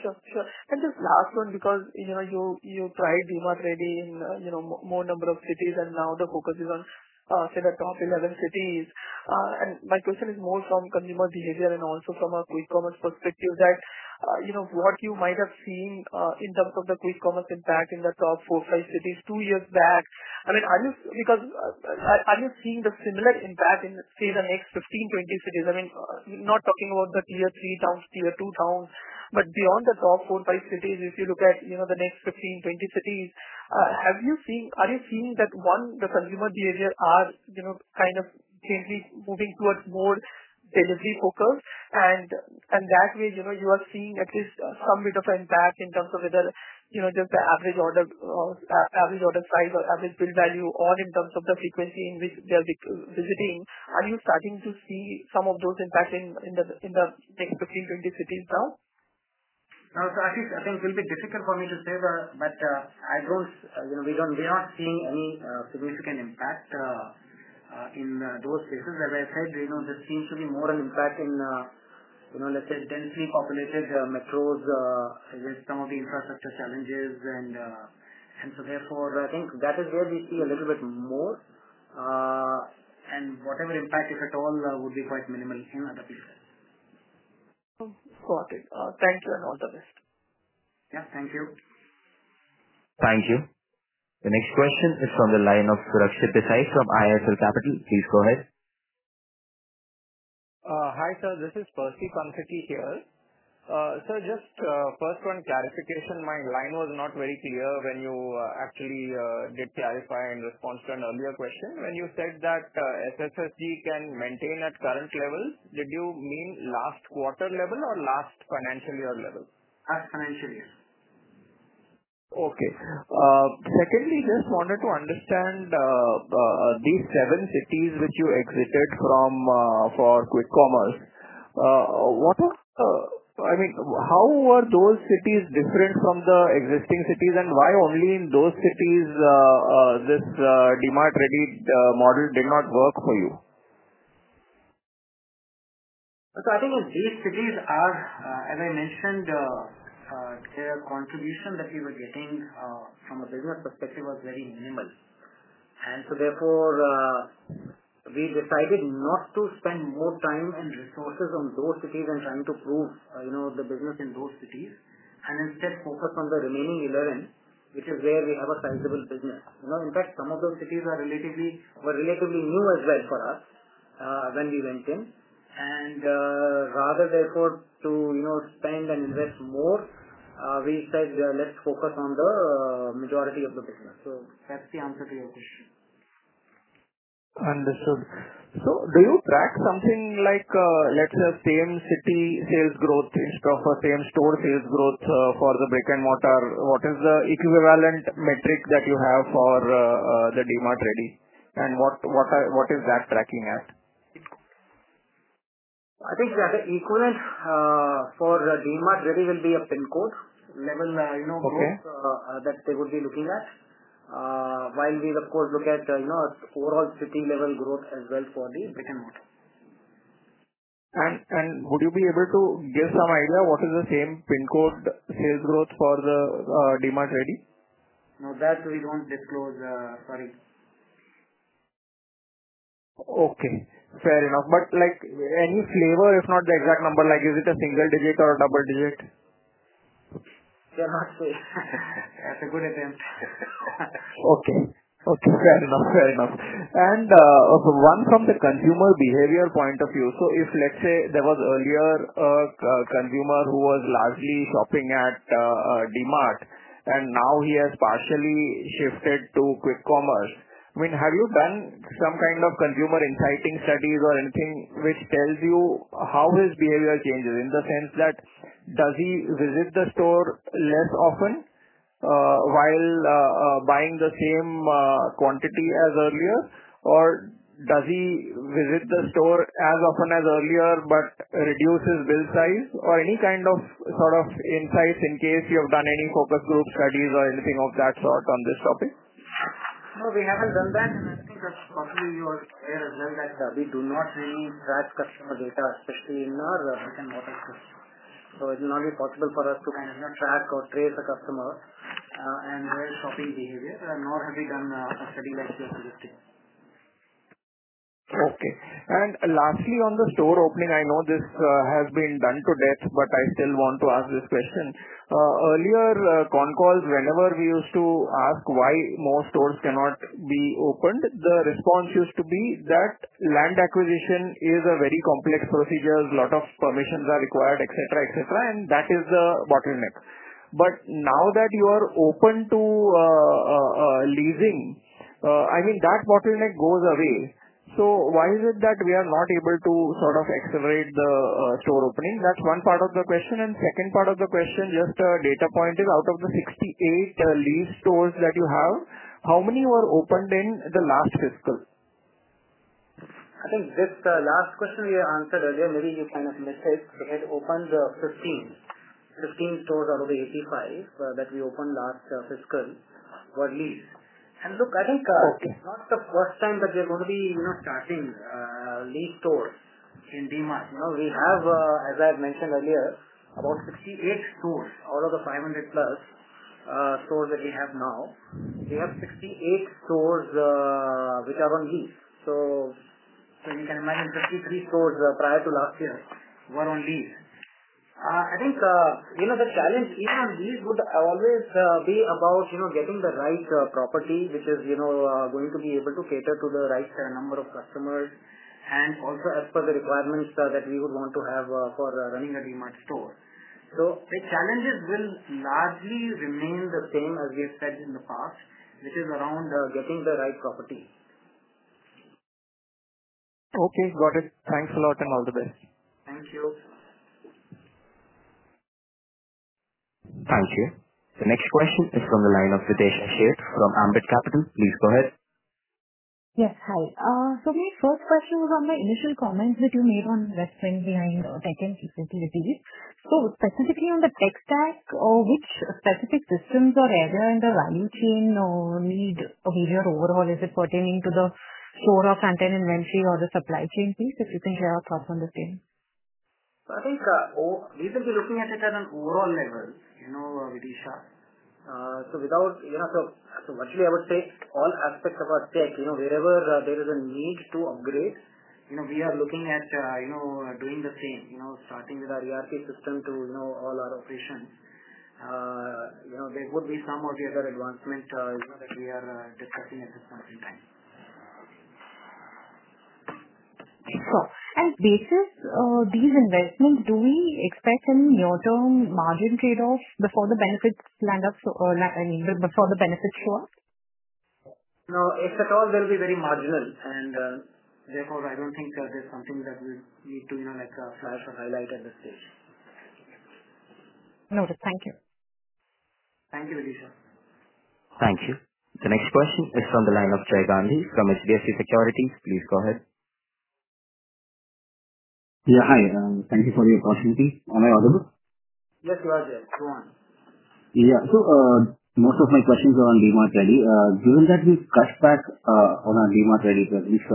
Sure. Just last one because you tried DMart Ready in more number of cities. Now the focus is on say the top 11 cities. My question is more from consumer behavior and also from a quick commerce perspective that what you might have seen in terms of the quick commerce impact in the top four, five cities two years back. Are you seeing the similar impact in, say, the next 15, 20 cities? I mean, not talking about the Tier 3 towns, Tier 2 towns, but beyond the top four, five cities, if you look at the next 15 cities, 20 cities, are you seeing that, one, the consumer behavior are kind of gently moving towards more delivery focused and that way you are seeing at least some bit of impact in terms of whether just the average order size or average bill value or in terms of the frequency in which they are visiting. Are you starting to see some of those impacts in the next 15 cities, 20 cities now? No. Ashish, I think it will be difficult for me to say, but we are not seeing any significant impact in those cases. As I said, there seems to be more an impact in, let's say, densely populated metros against some of the infrastructure challenges. Therefore, I think that is where we see a little bit more. Whatever impact, if at all, would be quite minimal in other places. Got it. Thank you, all the best. Yeah, thank you. Thank you. The next question is from the line of Rakshit Desai from IIFL Capital. Please go ahead. Hi, sir. This is Percy Panthaki here. Sir, just first one clarification. My line was not very clear when you actually did clarify in response to an earlier question. When you said that SSSG can maintain at current level, did you mean last quarter level or last financial year level? Last financial year. Okay. Secondly, just wanted to understand these seven cities which you exited for quick commerce. How were those cities different from the existing cities and why only in those cities this DMart Ready model did not work for you? I think these cities are, as I mentioned, their contribution that we were getting from a business perspective was very minimal. Therefore, we decided not to spend more time and resources on those cities and trying to prove the business in those cities, and instead focus on the remaining 11, which is where we have a sizable business. In fact, some of those cities were relatively new as well for us when we went in. Rather therefore to spend and invest more, we said, let's focus on the majority of the business. That's the answer to your question. Understood. Do you track something like, let's say, same city sales growth instead of a same store sales growth for the brick and mortar? What is the equivalent metric that you have for the DMart Ready and what is that tracking at? I think the equivalent for DMart really will be a pin code level growth. Okay that they would be looking at. While we, of course, look at overall city level growth as well for the brick and mortar. Would you be able to give some idea what is the same pin code sales growth for the DMart Ready? No, that we don't disclose. Sorry. Okay, fair enough. Any flavor, if not the exact number, like is it a single digit or a double digit? That's a good attempt. Okay. Fair enough. One from the consumer behavior point of view. If, let's say, there was earlier a consumer who was largely shopping at DMart, and now he has partially shifted to quick commerce, have you done some kind of consumer insighting studies or anything which tells you how his behavior changes? Does he visit the store less often, while buying the same quantity as earlier? Or does he visit the store as often as earlier, but reduces bill size? Or any kind of insights in case you have done any focus group studies or anything of that sort on this topic? No, we haven't done that. I think that probably you are aware as well that we do not really track customer data, especially in our brick and mortar stores. It will not be possible for us to track or trace a customer and their shopping behavior. Nor have we done a study that way up to this day. Okay. Lastly, on the store opening, I know this has been done to death, but I still want to ask this question. Earlier con calls, whenever we used to ask why more stores cannot be opened, the response used to be that land acquisition is a very complex procedure, lot of permissions are required, et cetera, and that is the bottleneck. Now that you are open to leasing, that bottleneck goes away. Why is it that we are not able to accelerate the store opening? That's one part of the question. Second part of the question, just a data point, out of the 68 lease stores that you have, how many were opened in the last fiscal? I think this last question we answered earlier, maybe you kind of missed it. We had opened 15 stores out of the 85 that we opened last fiscal, were leased. Look, I think. Okay It's not the first time that we're going to be starting leased stores in DMart. We have, as I had mentioned earlier, about 68 stores out of the 500+ stores that we have now. We have 68 stores which are on lease. You can imagine 63 stores prior to last year were on lease. I think, the challenge even on lease would always be about getting the right property, which is going to be able to cater to the right number of customers, and also as per the requirements that we would want to have for running a DMart store. The challenges will largely remain the same as we have said in the past, which is around getting the right property. Okay, got it. Thanks a lot and all the best. Thank you. Thank you. The next question is from the line of [INAUDIBLE] from Ambit Capital. Please go ahead. Yes. Hi. My first question was on the initial comments that you made on [investing] behind tech and security release. Specifically on the tech stack, which specific systems or area in the value chain need a behavior overhaul? Is it pertaining to the store of front-end inventory or the supply chain? Please, if you can share your thoughts on the same. I think we will be looking at it at an overall level, I would say all aspects of our tech, wherever there is a need to upgrade, we are looking at doing the same, starting with our ERP system to all our operations. There would be some or the other advancement that we are discussing at this point in time. Sure. As basis these investments, do we expect any near-term margin trade-offs before the benefits show up? No. If at all, they'll be very marginal and therefore, I don't think that is something that we need to flash or highlight at this stage. Noted. Thank you. Thank you. Thank you. The next question is from the line of Jay Gandhi from HDFC Securities. Please go ahead. Yeah, hi. Thank you for your opportunity. Am I audible? Yes, you are, Jay. Go on. Yeah. Most of my questions are on DMart Ready. Given that we've cut back on our DMart Ready presence,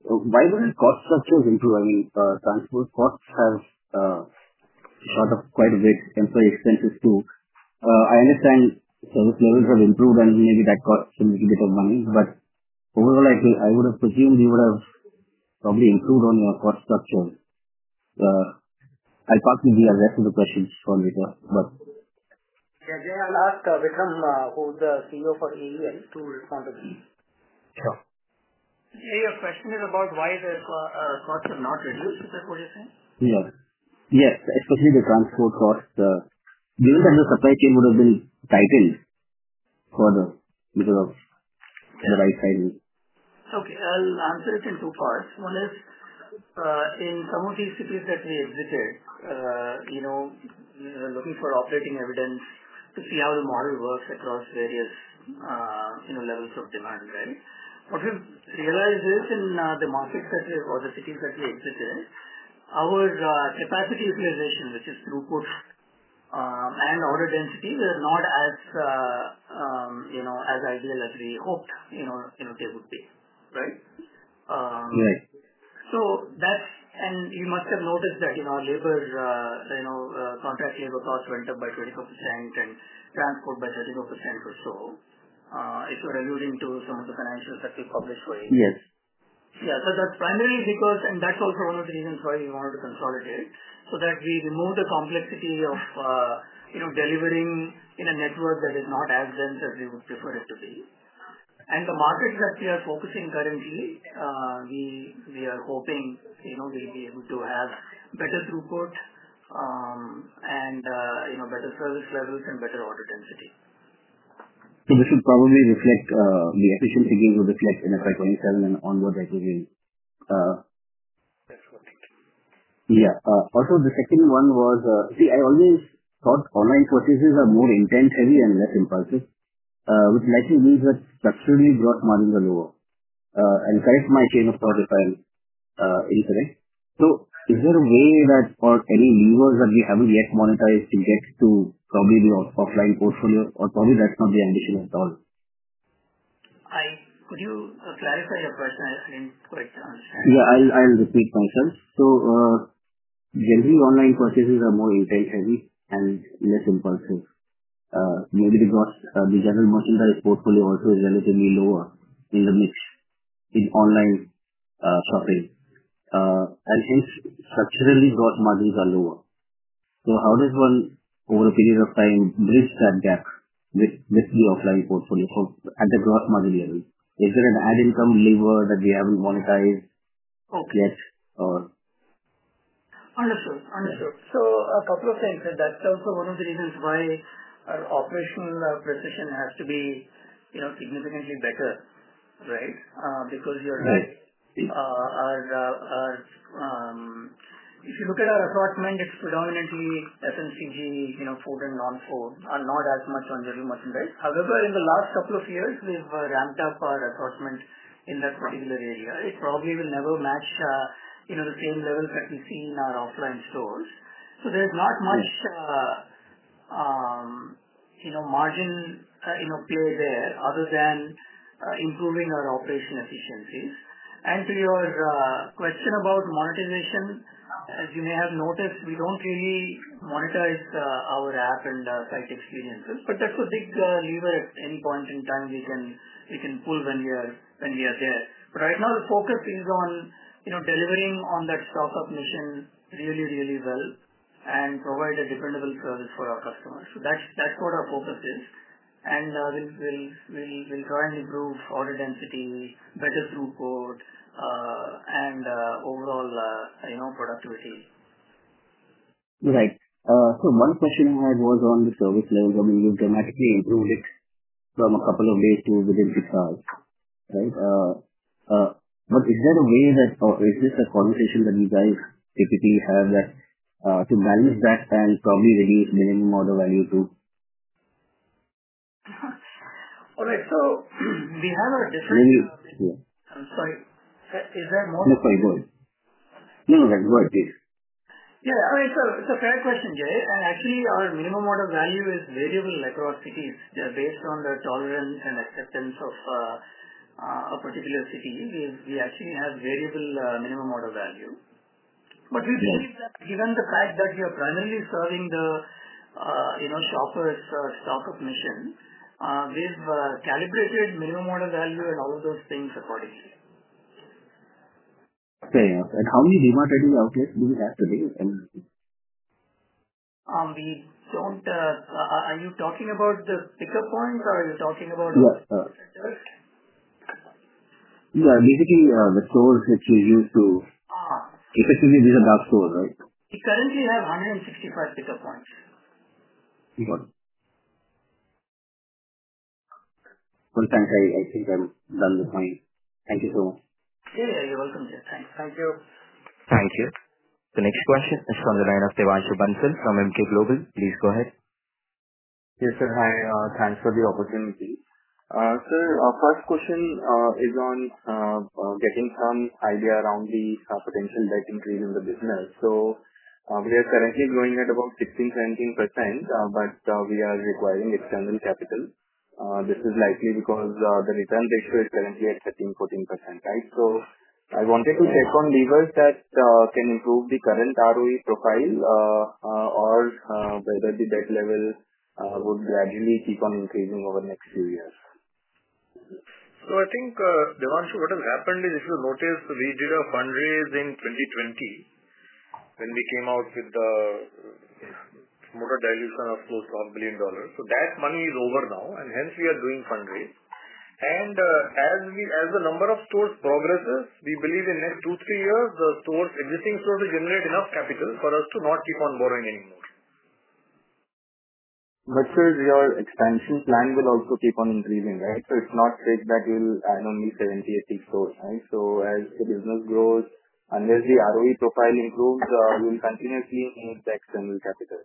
why weren't cost structures improving? Transport costs have shot up quite a bit and so are expenses too. I understand service levels have improved, and maybe that cost a little bit of money, but overall, I would've presumed you would have probably improved on your cost structure. I probably will address the question for later. Yeah. Jay, I'll ask Trivikrama, who's the Chief Executive Officer for DMart Ready to respond to this. Sure. Jay, your question is about why the costs are not reduced. Is that what you're saying? Yes. Especially the transport costs. Given that the supply chain would have been tightened further because of the right sizing. Okay. I'll answer it in two parts. One is, in some of these cities that we exited. We were looking for operating evidence to see how the model works across various levels of demand. What we've realized is or the cities that we exited, our capacity utilization, which is throughput, and order density were not as ideal as we hoped they would be. Right? Right. You must have noticed that in our contract labor cost went up by 24% and transport by 13% or so. If you're alluding to some of the financials that we published for you. Yes. Yeah. That's primarily because and that's also one of the reasons why we wanted to consolidate, so that we remove the complexity of delivering in a network that is not as dense as we would prefer it to be. The markets that we are focusing currently, we are hoping we'll be able to have better throughput, and better service levels, and better order density. The efficiency will reflect in fiscal year 2027 and onward that you will. That's what. Yeah. The second one was, See, I always thought online purchases are more intent heavy and less impulsive, which likely means that structurally gross margins are lower. Correct my chain of thought if I'm incorrect. Is there a way that for any levers that we haven't yet monetized against to probably be offline portfolio? Probably that's not the ambition at all. Could you clarify your question? I didn't quite understand. Yeah, I'll repeat myself. Generally, online purchases are more intent heavy and less impulsive. Maybe because the general merchandise portfolio also is relatively lower in the mix in online shopping. Hence structurally gross margins are lower. How does one, over a period of time, bridge that gap with the offline portfolio at the gross margin level? Is there an ad income lever that we haven't monetized- Okay yet or? Understood. A couple of things. That's also one of the reasons why our operational precision has to be significantly better. Right? Right. If you look at our assortment, it's predominantly FMCG, food and non-food, and not as much on general merchandise. However, in the last couple of years, we've ramped up our assortment in that particular area. It probably will never match the same levels that we see in our offline stores. There's not much margin play there other than improving our operational efficiencies. To your question about monetization, as you may have noticed, we don't really monetize our app and site experiences. That's a big lever at any point in time we can pull when we are there. Right now the focus is on delivering on that stock-up mission really, really well and provide a dependable service for our customers. That's what our focus is, and we'll try and improve order density, better throughput, and overall productivity. Right. One question I had was on the service levels. I mean, you've dramatically improved it from a couple of days to within six hours. Right? Is there a way or is this a conversation that you guys typically have that to balance that and probably reduce minimum order value, too? All right. We have a different. Maybe. I'm sorry. Is there more? Yeah. It's a fair question, Jay. Actually, our minimum order value is variable across cities. Based on the tolerance and acceptance of a particular city, we actually have variable minimum order value. We believe that given the fact that we are primarily serving the shopper's stock-up mission, we've calibrated minimum order value and all those things accordingly. Fair enough. How many DMart outlets do you have today in the city? Are you talking about the pickup points, or are you talking about- Yeah stores? Yeah, basically, the stores which we use. effectively visit that store, right? We currently have 165 pickup points. Okay. Well, thanks, I think I'm done with my. Thank you so much. Yeah. You are welcome, Jay. Thanks. Thank you. Thank you. The next question is from the line of Devanshu Bansal from Emkay Global. Please go ahead. Yes, sir. Hi. Thanks for the opportunity. Sir, first question is on getting some idea around the potential debt increase in the business. We are currently growing at about 16%-19%, but we are requiring external capital. This is likely because the return ratio is currently at 13%-14%. Right? I wanted to check on levers that can improve the current ROE profile, or whether the debt level would gradually keep on increasing over next few years. I think, Devanshu, what has happened is, if you notice, we did a fundraise in 2020 when we came out with the minor dilution of close to INR 1 billion. That money is over now, hence we are doing fundraise. As the number of stores progresses, we believe in next two, three years, the existing stores will generate enough capital for us to not keep on borrowing anymore. Sir, your expansion plan will also keep on increasing, right? It's not fixed that you will add only 70 stores-80 stores, right? As the business grows, unless the ROE profile improves, you will continuously need external capital.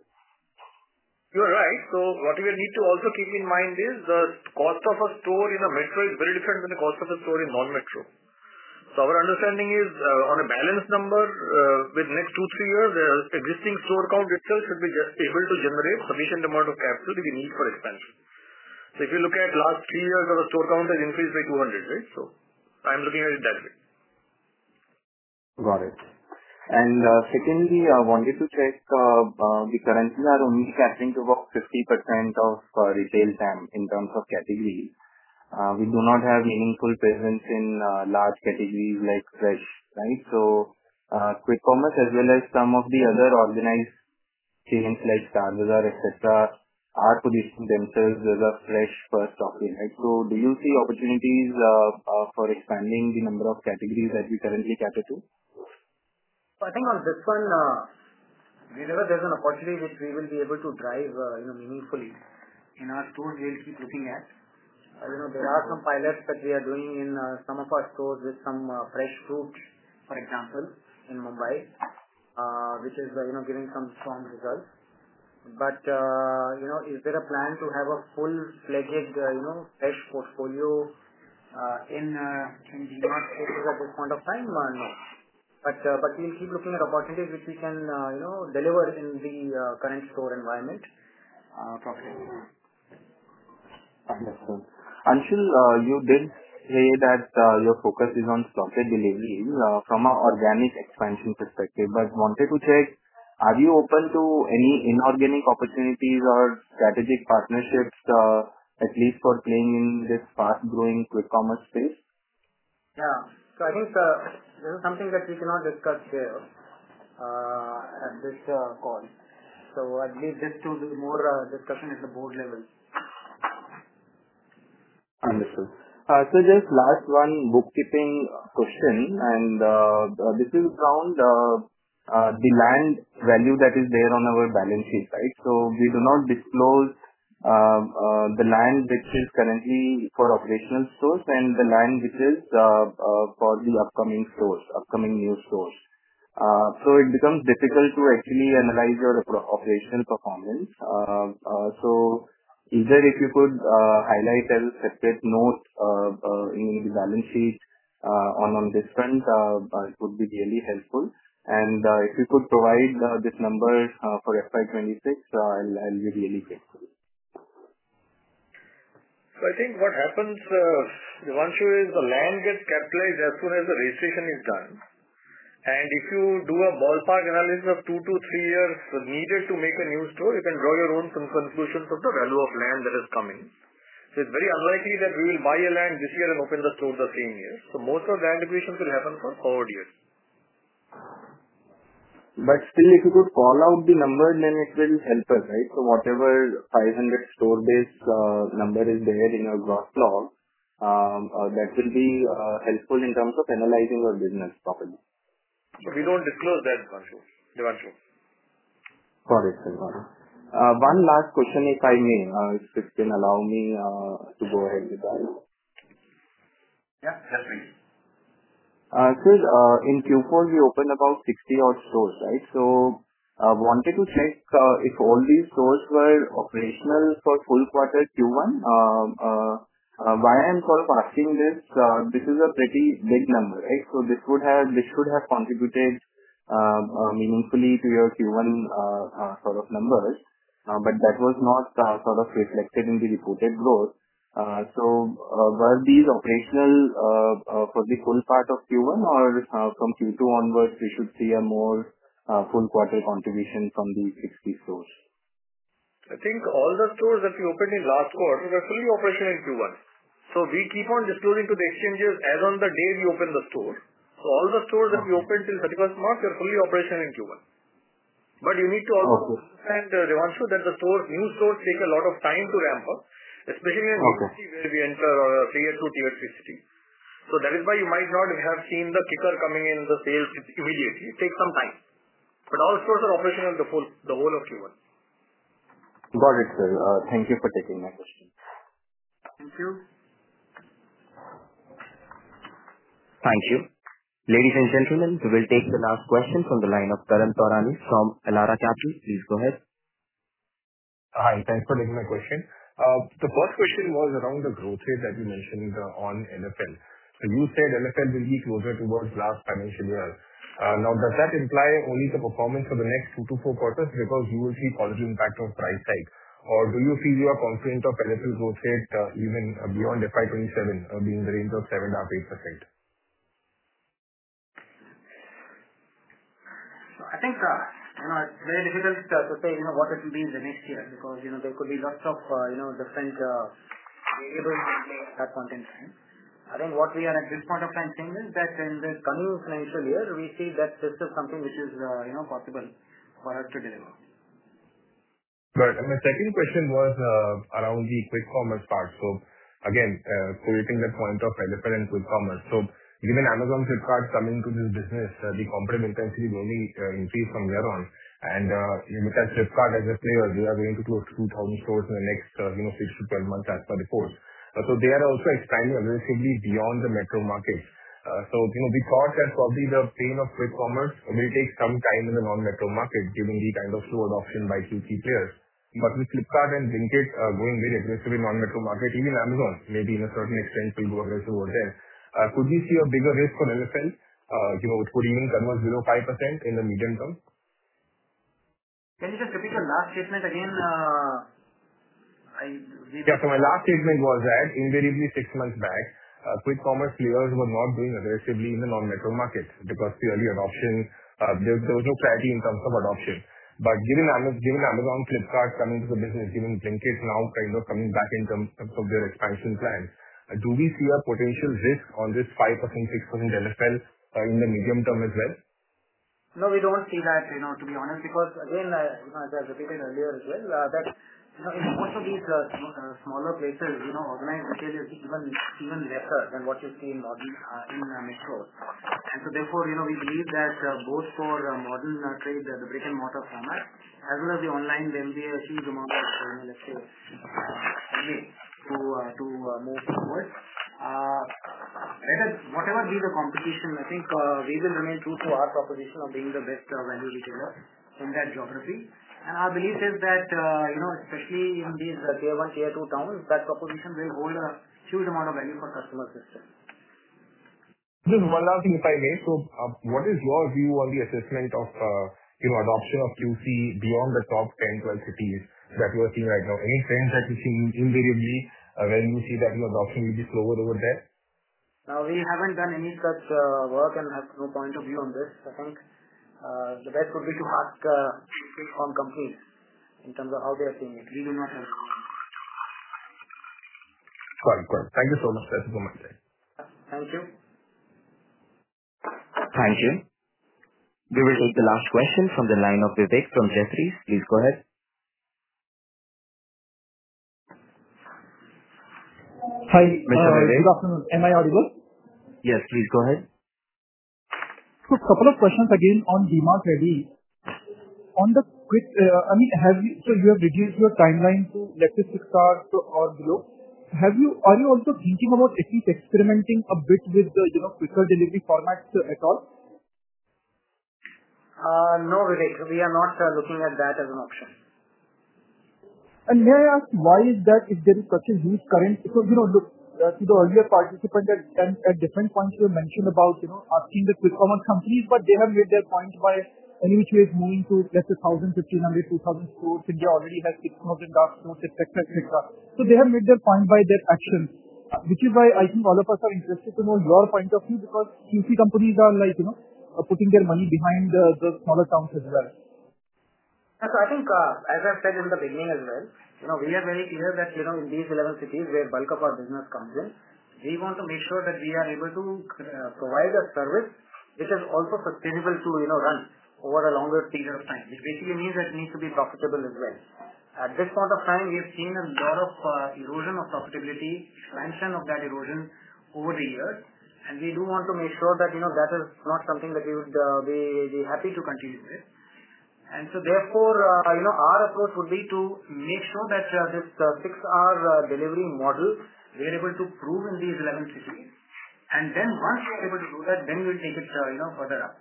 You're right. What we need to also keep in mind is the cost of a store in a metro is very different than the cost of a store in non-metro. Our understanding is, on a balance number, with next two, three years, existing store count itself should be just able to generate sufficient amount of capital that we need for expansion. If you look at last three years, our store count has increased by 200 stores, right? I'm looking at it that way. Got it. Secondly, I wanted to check, we currently are only catering to about 50% of retail SAM, in terms of categories. We do not have meaningful presence in large categories like fresh, right? Quick commerce as well as some of the other organized chains like, [INAUDIBLE] et cetera, are positioning themselves as a fresh-first option. Right. Do you see opportunities for expanding the number of categories that we currently cater to? I think on this one, wherever there's an opportunity which we will be able to drive meaningfully in our stores, we'll keep looking at. There are some pilots that we are doing in some of our stores with some fresh fruits, for example, in Mumbai, which is giving some strong results. Is there a plan to have a full-fledged fresh portfolio in the near future or this point of time? No. We'll keep looking at opportunities which we can deliver in the current store environment. Okay. Understood. Anshul, you did say that your focus is on slotted delivery from an organic expansion perspective, but wanted to check, are you open to any inorganic opportunities or strategic partnerships, at least for playing in this fast-growing quick commerce space? Yeah. I think this is something that we cannot discuss here at this call. At least this will be more a discussion at the board level. Understood. Sir, just last one bookkeeping question, this is around the land value that is there on our balance sheet. Right. We do not disclose the land which is currently for operational stores and the land which is for the upcoming stores, upcoming new stores. It becomes difficult to actually analyze your operational performance. If you could highlight and separate notes in the balance sheet on this front, it would be really helpful. If you could provide these numbers for fiscal year 2026, I'll be really grateful. I think what happens, Devanshu, is the land gets capitalized as soon as the registration is done. If you do a ballpark analysis of two to three years needed to make a new store, you can draw your own conclusions of the value of land that is coming. It's very unlikely that we will buy land this year and open the store the same year. Most of the integration will happen for forward years. Still, if you could call out the number, then it will help us. Right. Whatever 500 store base number is there in your growth log, that will be helpful in terms of analyzing your business properly. We don't disclose that, Devanshu. Got it. One last question, if I may, if you can allow me to go ahead with that. Yeah, definitely. Sir, in Q4, we opened about 60 odd stores, right? I wanted to check if all these stores were operational for full quarter Q1. Why I'm sort of asking this is a pretty big number. Right. This should have contributed meaningfully to your Q1 sort of numbers. That was not sort of reflected in the reported growth. Were these operational for the full part of Q1 or from Q2 onwards, we should see a more full quarter contribution from these 60 stores? I think all the stores that we opened in last quarter were fully operational in Q1. We keep on disclosing to the exchanges as on the day we open the store. All the stores that we opened till 31st March are fully operational in Q1. You need to also understand, Devanshu, that the new stores take a lot of time to ramp up, especially in a new city where we enter or a Tier 2, Tier 3 city. That is why you might not have seen the kicker coming in the sales immediately. It takes some time, but all stores are operational the whole of Q1. Got it, sir. Thank you for taking my question. Thank you. Thank you. Ladies and gentlemen, we will take the last question from the line of Karan Torani from Elara Capital. Please go ahead. Hi, thanks for taking my question. The first question was around the growth rate that you mentioned on LFL. You said LFL will be closer towards last financial year. Does that imply only the performance for the next two to four quarters because you will see positive impact of price hike? Or do you feel you are confident of LFL growth rate even beyond FY 2027 being in the range of 7%-8%? I think it's very difficult to say what it will be in the next year because there could be lots of different variables at one point in time. I think what we are at this point of time saying is that in the coming financial year, we see that this is something which is possible for us to deliver. Right. My second question was around the quick commerce part. Again, creating that point of elephant quick commerce. Given Amazon, Flipkart coming into this business, the competitive intensity will really increase from thereon. Because Flipkart as a player, they are going to do 2,000 stores in the next six to 12 months as per the report. They are also expanding aggressively beyond the metro markets. The thoughts are probably the theme of quick commerce will take some time in the non-metro market, given the kind of slow adoption by few key players. With Flipkart and Blinkit going big, especially in non-metro market, even Amazon, maybe in a certain extent will go a little over there. Could we see a bigger risk for LFL, which could even convert below 5% in the medium term? Can you just repeat your last statement again? Yeah. My last statement was that invariably six months back, quick commerce players were not doing aggressively in the non-metro markets because the early adoption, there was no clarity in terms of adoption. Given Amazon, Flipkart coming to the business, given Blinkit now kind of coming back in terms of their expansion plan, do we see a potential risk on this 5%, 6% LFL in the medium term as well? No, we don't see that, to be honest, because again, as I repeated earlier as well, that in most of these smaller places, organized retail is even lesser than what you see in metros. Therefore, we believe that both for modern trade, the brick and mortar format, as well as the online, they'll be a huge amount of, let's say, way to move forward. Whatever be the competition, I think we will remain true to our proposition of being the best value retailer in that geography. Our belief is that, especially in these tier 1, tier 2 towns, that proposition will hold a huge amount of value for customer segment. Just one last thing, if I may. What is your view on the assessment of adoption of QC beyond the top 10 cities, 12 cities that you are seeing right now? Any trends that you see invariably when you see that adoption will be slower over there? No, we haven't done any such work and have no point of view on this. I think the best would be to ask the quick com companies in terms of how they are seeing it. We do not have- Got it. Thank you so much for my time. Thank you. Thank you. We will take the last question from the line of Vivek from Jefferies. Please go ahead. Hi. Mr. Vivek. Good afternoon. Am I audible? Yes, please go ahead. Couple of questions again on DMart Ready. You have reduced your timeline to let's say six hours or below. Are you also thinking about at least experimenting a bit with the quicker delivery formats at all? No, Vivek, we are not looking at that as an option. May I ask why is that if there is such a huge? Because look, the earlier participant at different points, you mentioned about asking the quick commerce companies, but they have made their point by any which way moving to let's say, 1,000 stores, 1,500 stores, 2,000 stores. India already has Flipkart and Dark Store, et cetera. They have made their point by their actions, which is why I think all of us are interested to know your point of view, because QC companies are putting their money behind the smaller towns as well. I think, as I said in the beginning as well, we are very clear that in these 11 cities where bulk of our business comes in, we want to make sure that we are able to provide a service which is also sustainable to run over a longer period of time, which basically means that it needs to be profitable as well. At this point of time, we have seen a lot of erosion of profitability, expansion of that erosion over the years, and we do want to make sure that is not something that we would be happy to continue with. Therefore, our approach would be to make sure that this 6-hour delivery model, we are able to prove in these 11 cities. Then once we are able to do that, then we will take it further up.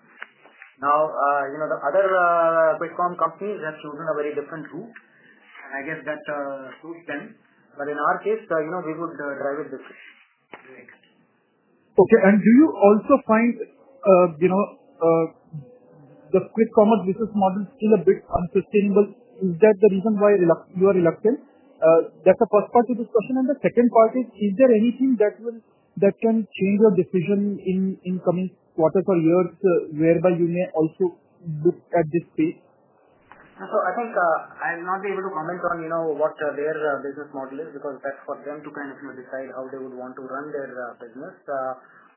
The other quick com companies have chosen a very different route, and I guess that suits them. In our case, we would rather do it this way. Great. Okay. Do you also find the quick commerce business model still a bit unsustainable? Is that the reason why you are reluctant? That's the first part of this question. The second part is there anything that can change your decision in coming quarters or years, whereby you may also look at this space? I think, I'll not be able to comment on what their business model is, because that's for them to kind of decide how they will want to run their business.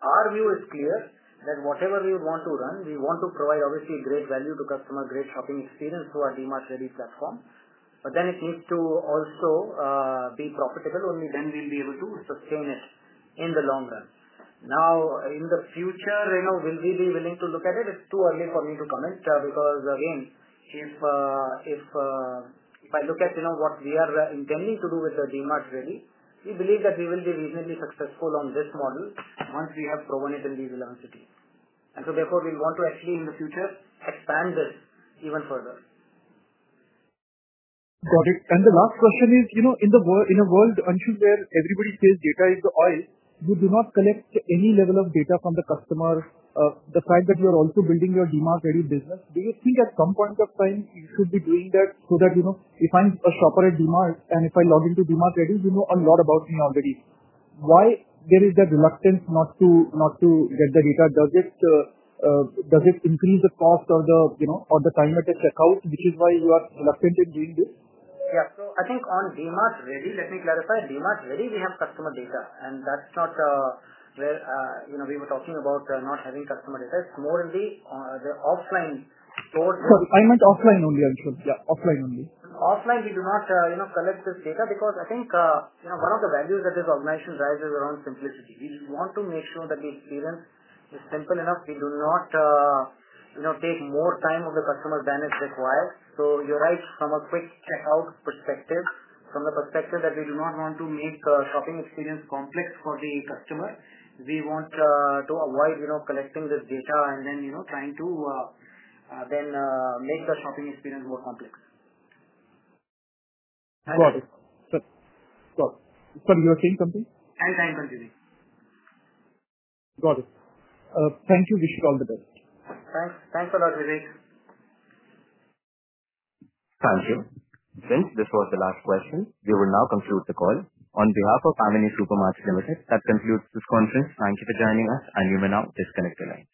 Our view is clear that whatever we want to run, we want to provide obviously great value to customer, great shopping experience through our DMart Ready platform. It needs to also be profitable, only then we'll be able to sustain it in the long run. In the future, will we be willing to look at it? It's too early for me to comment, because again, if I look at what we are intending to do with the DMart Ready, we believe that we will be reasonably successful on this model once we have proven it in these 11 cities. Therefore, we want to actually in the future expand this even further. Got it. The last question is, in a world, Anshu, where everybody says data is the oil, you do not collect any level of data from the customer. The fact that you are also building your DMart Ready business, do you think at some point of time you should be doing that so that if I'm a shopper at DMart and if I log into DMart Ready, you know a lot about me already. Why there is that reluctance not to get the data? Does it increase the cost or the time at the checkout, which is why you are reluctant in doing this? Yeah. I think on DMart Ready, let me clarify. DMart Ready, we have customer data, and that's not where we were talking about not having customer data. It's more on the offline stores- Sorry. I meant offline only, Anshu. Yeah, offline only. Offline, we do not collect this data because I think one of the values that this organization rides is around simplicity. We want to make sure that the experience is simple enough. We do not take more time of the customer than is required. You're right from a quick checkout perspective. From the perspective that we do not want to make shopping experience complex for the customer. We want to avoid collecting this data and then trying to then make the shopping experience more complex. Got it. Sir, you were saying something? I'm fine, Vivek. Got it. Thank you. Wish you all the best. Thanks a lot, Vivek. Thank you. Since this was the last question, we will now conclude the call. On behalf of Avenue Supermarts Limited, that concludes this conference. Thank you for joining us, and you may now disconnect your line.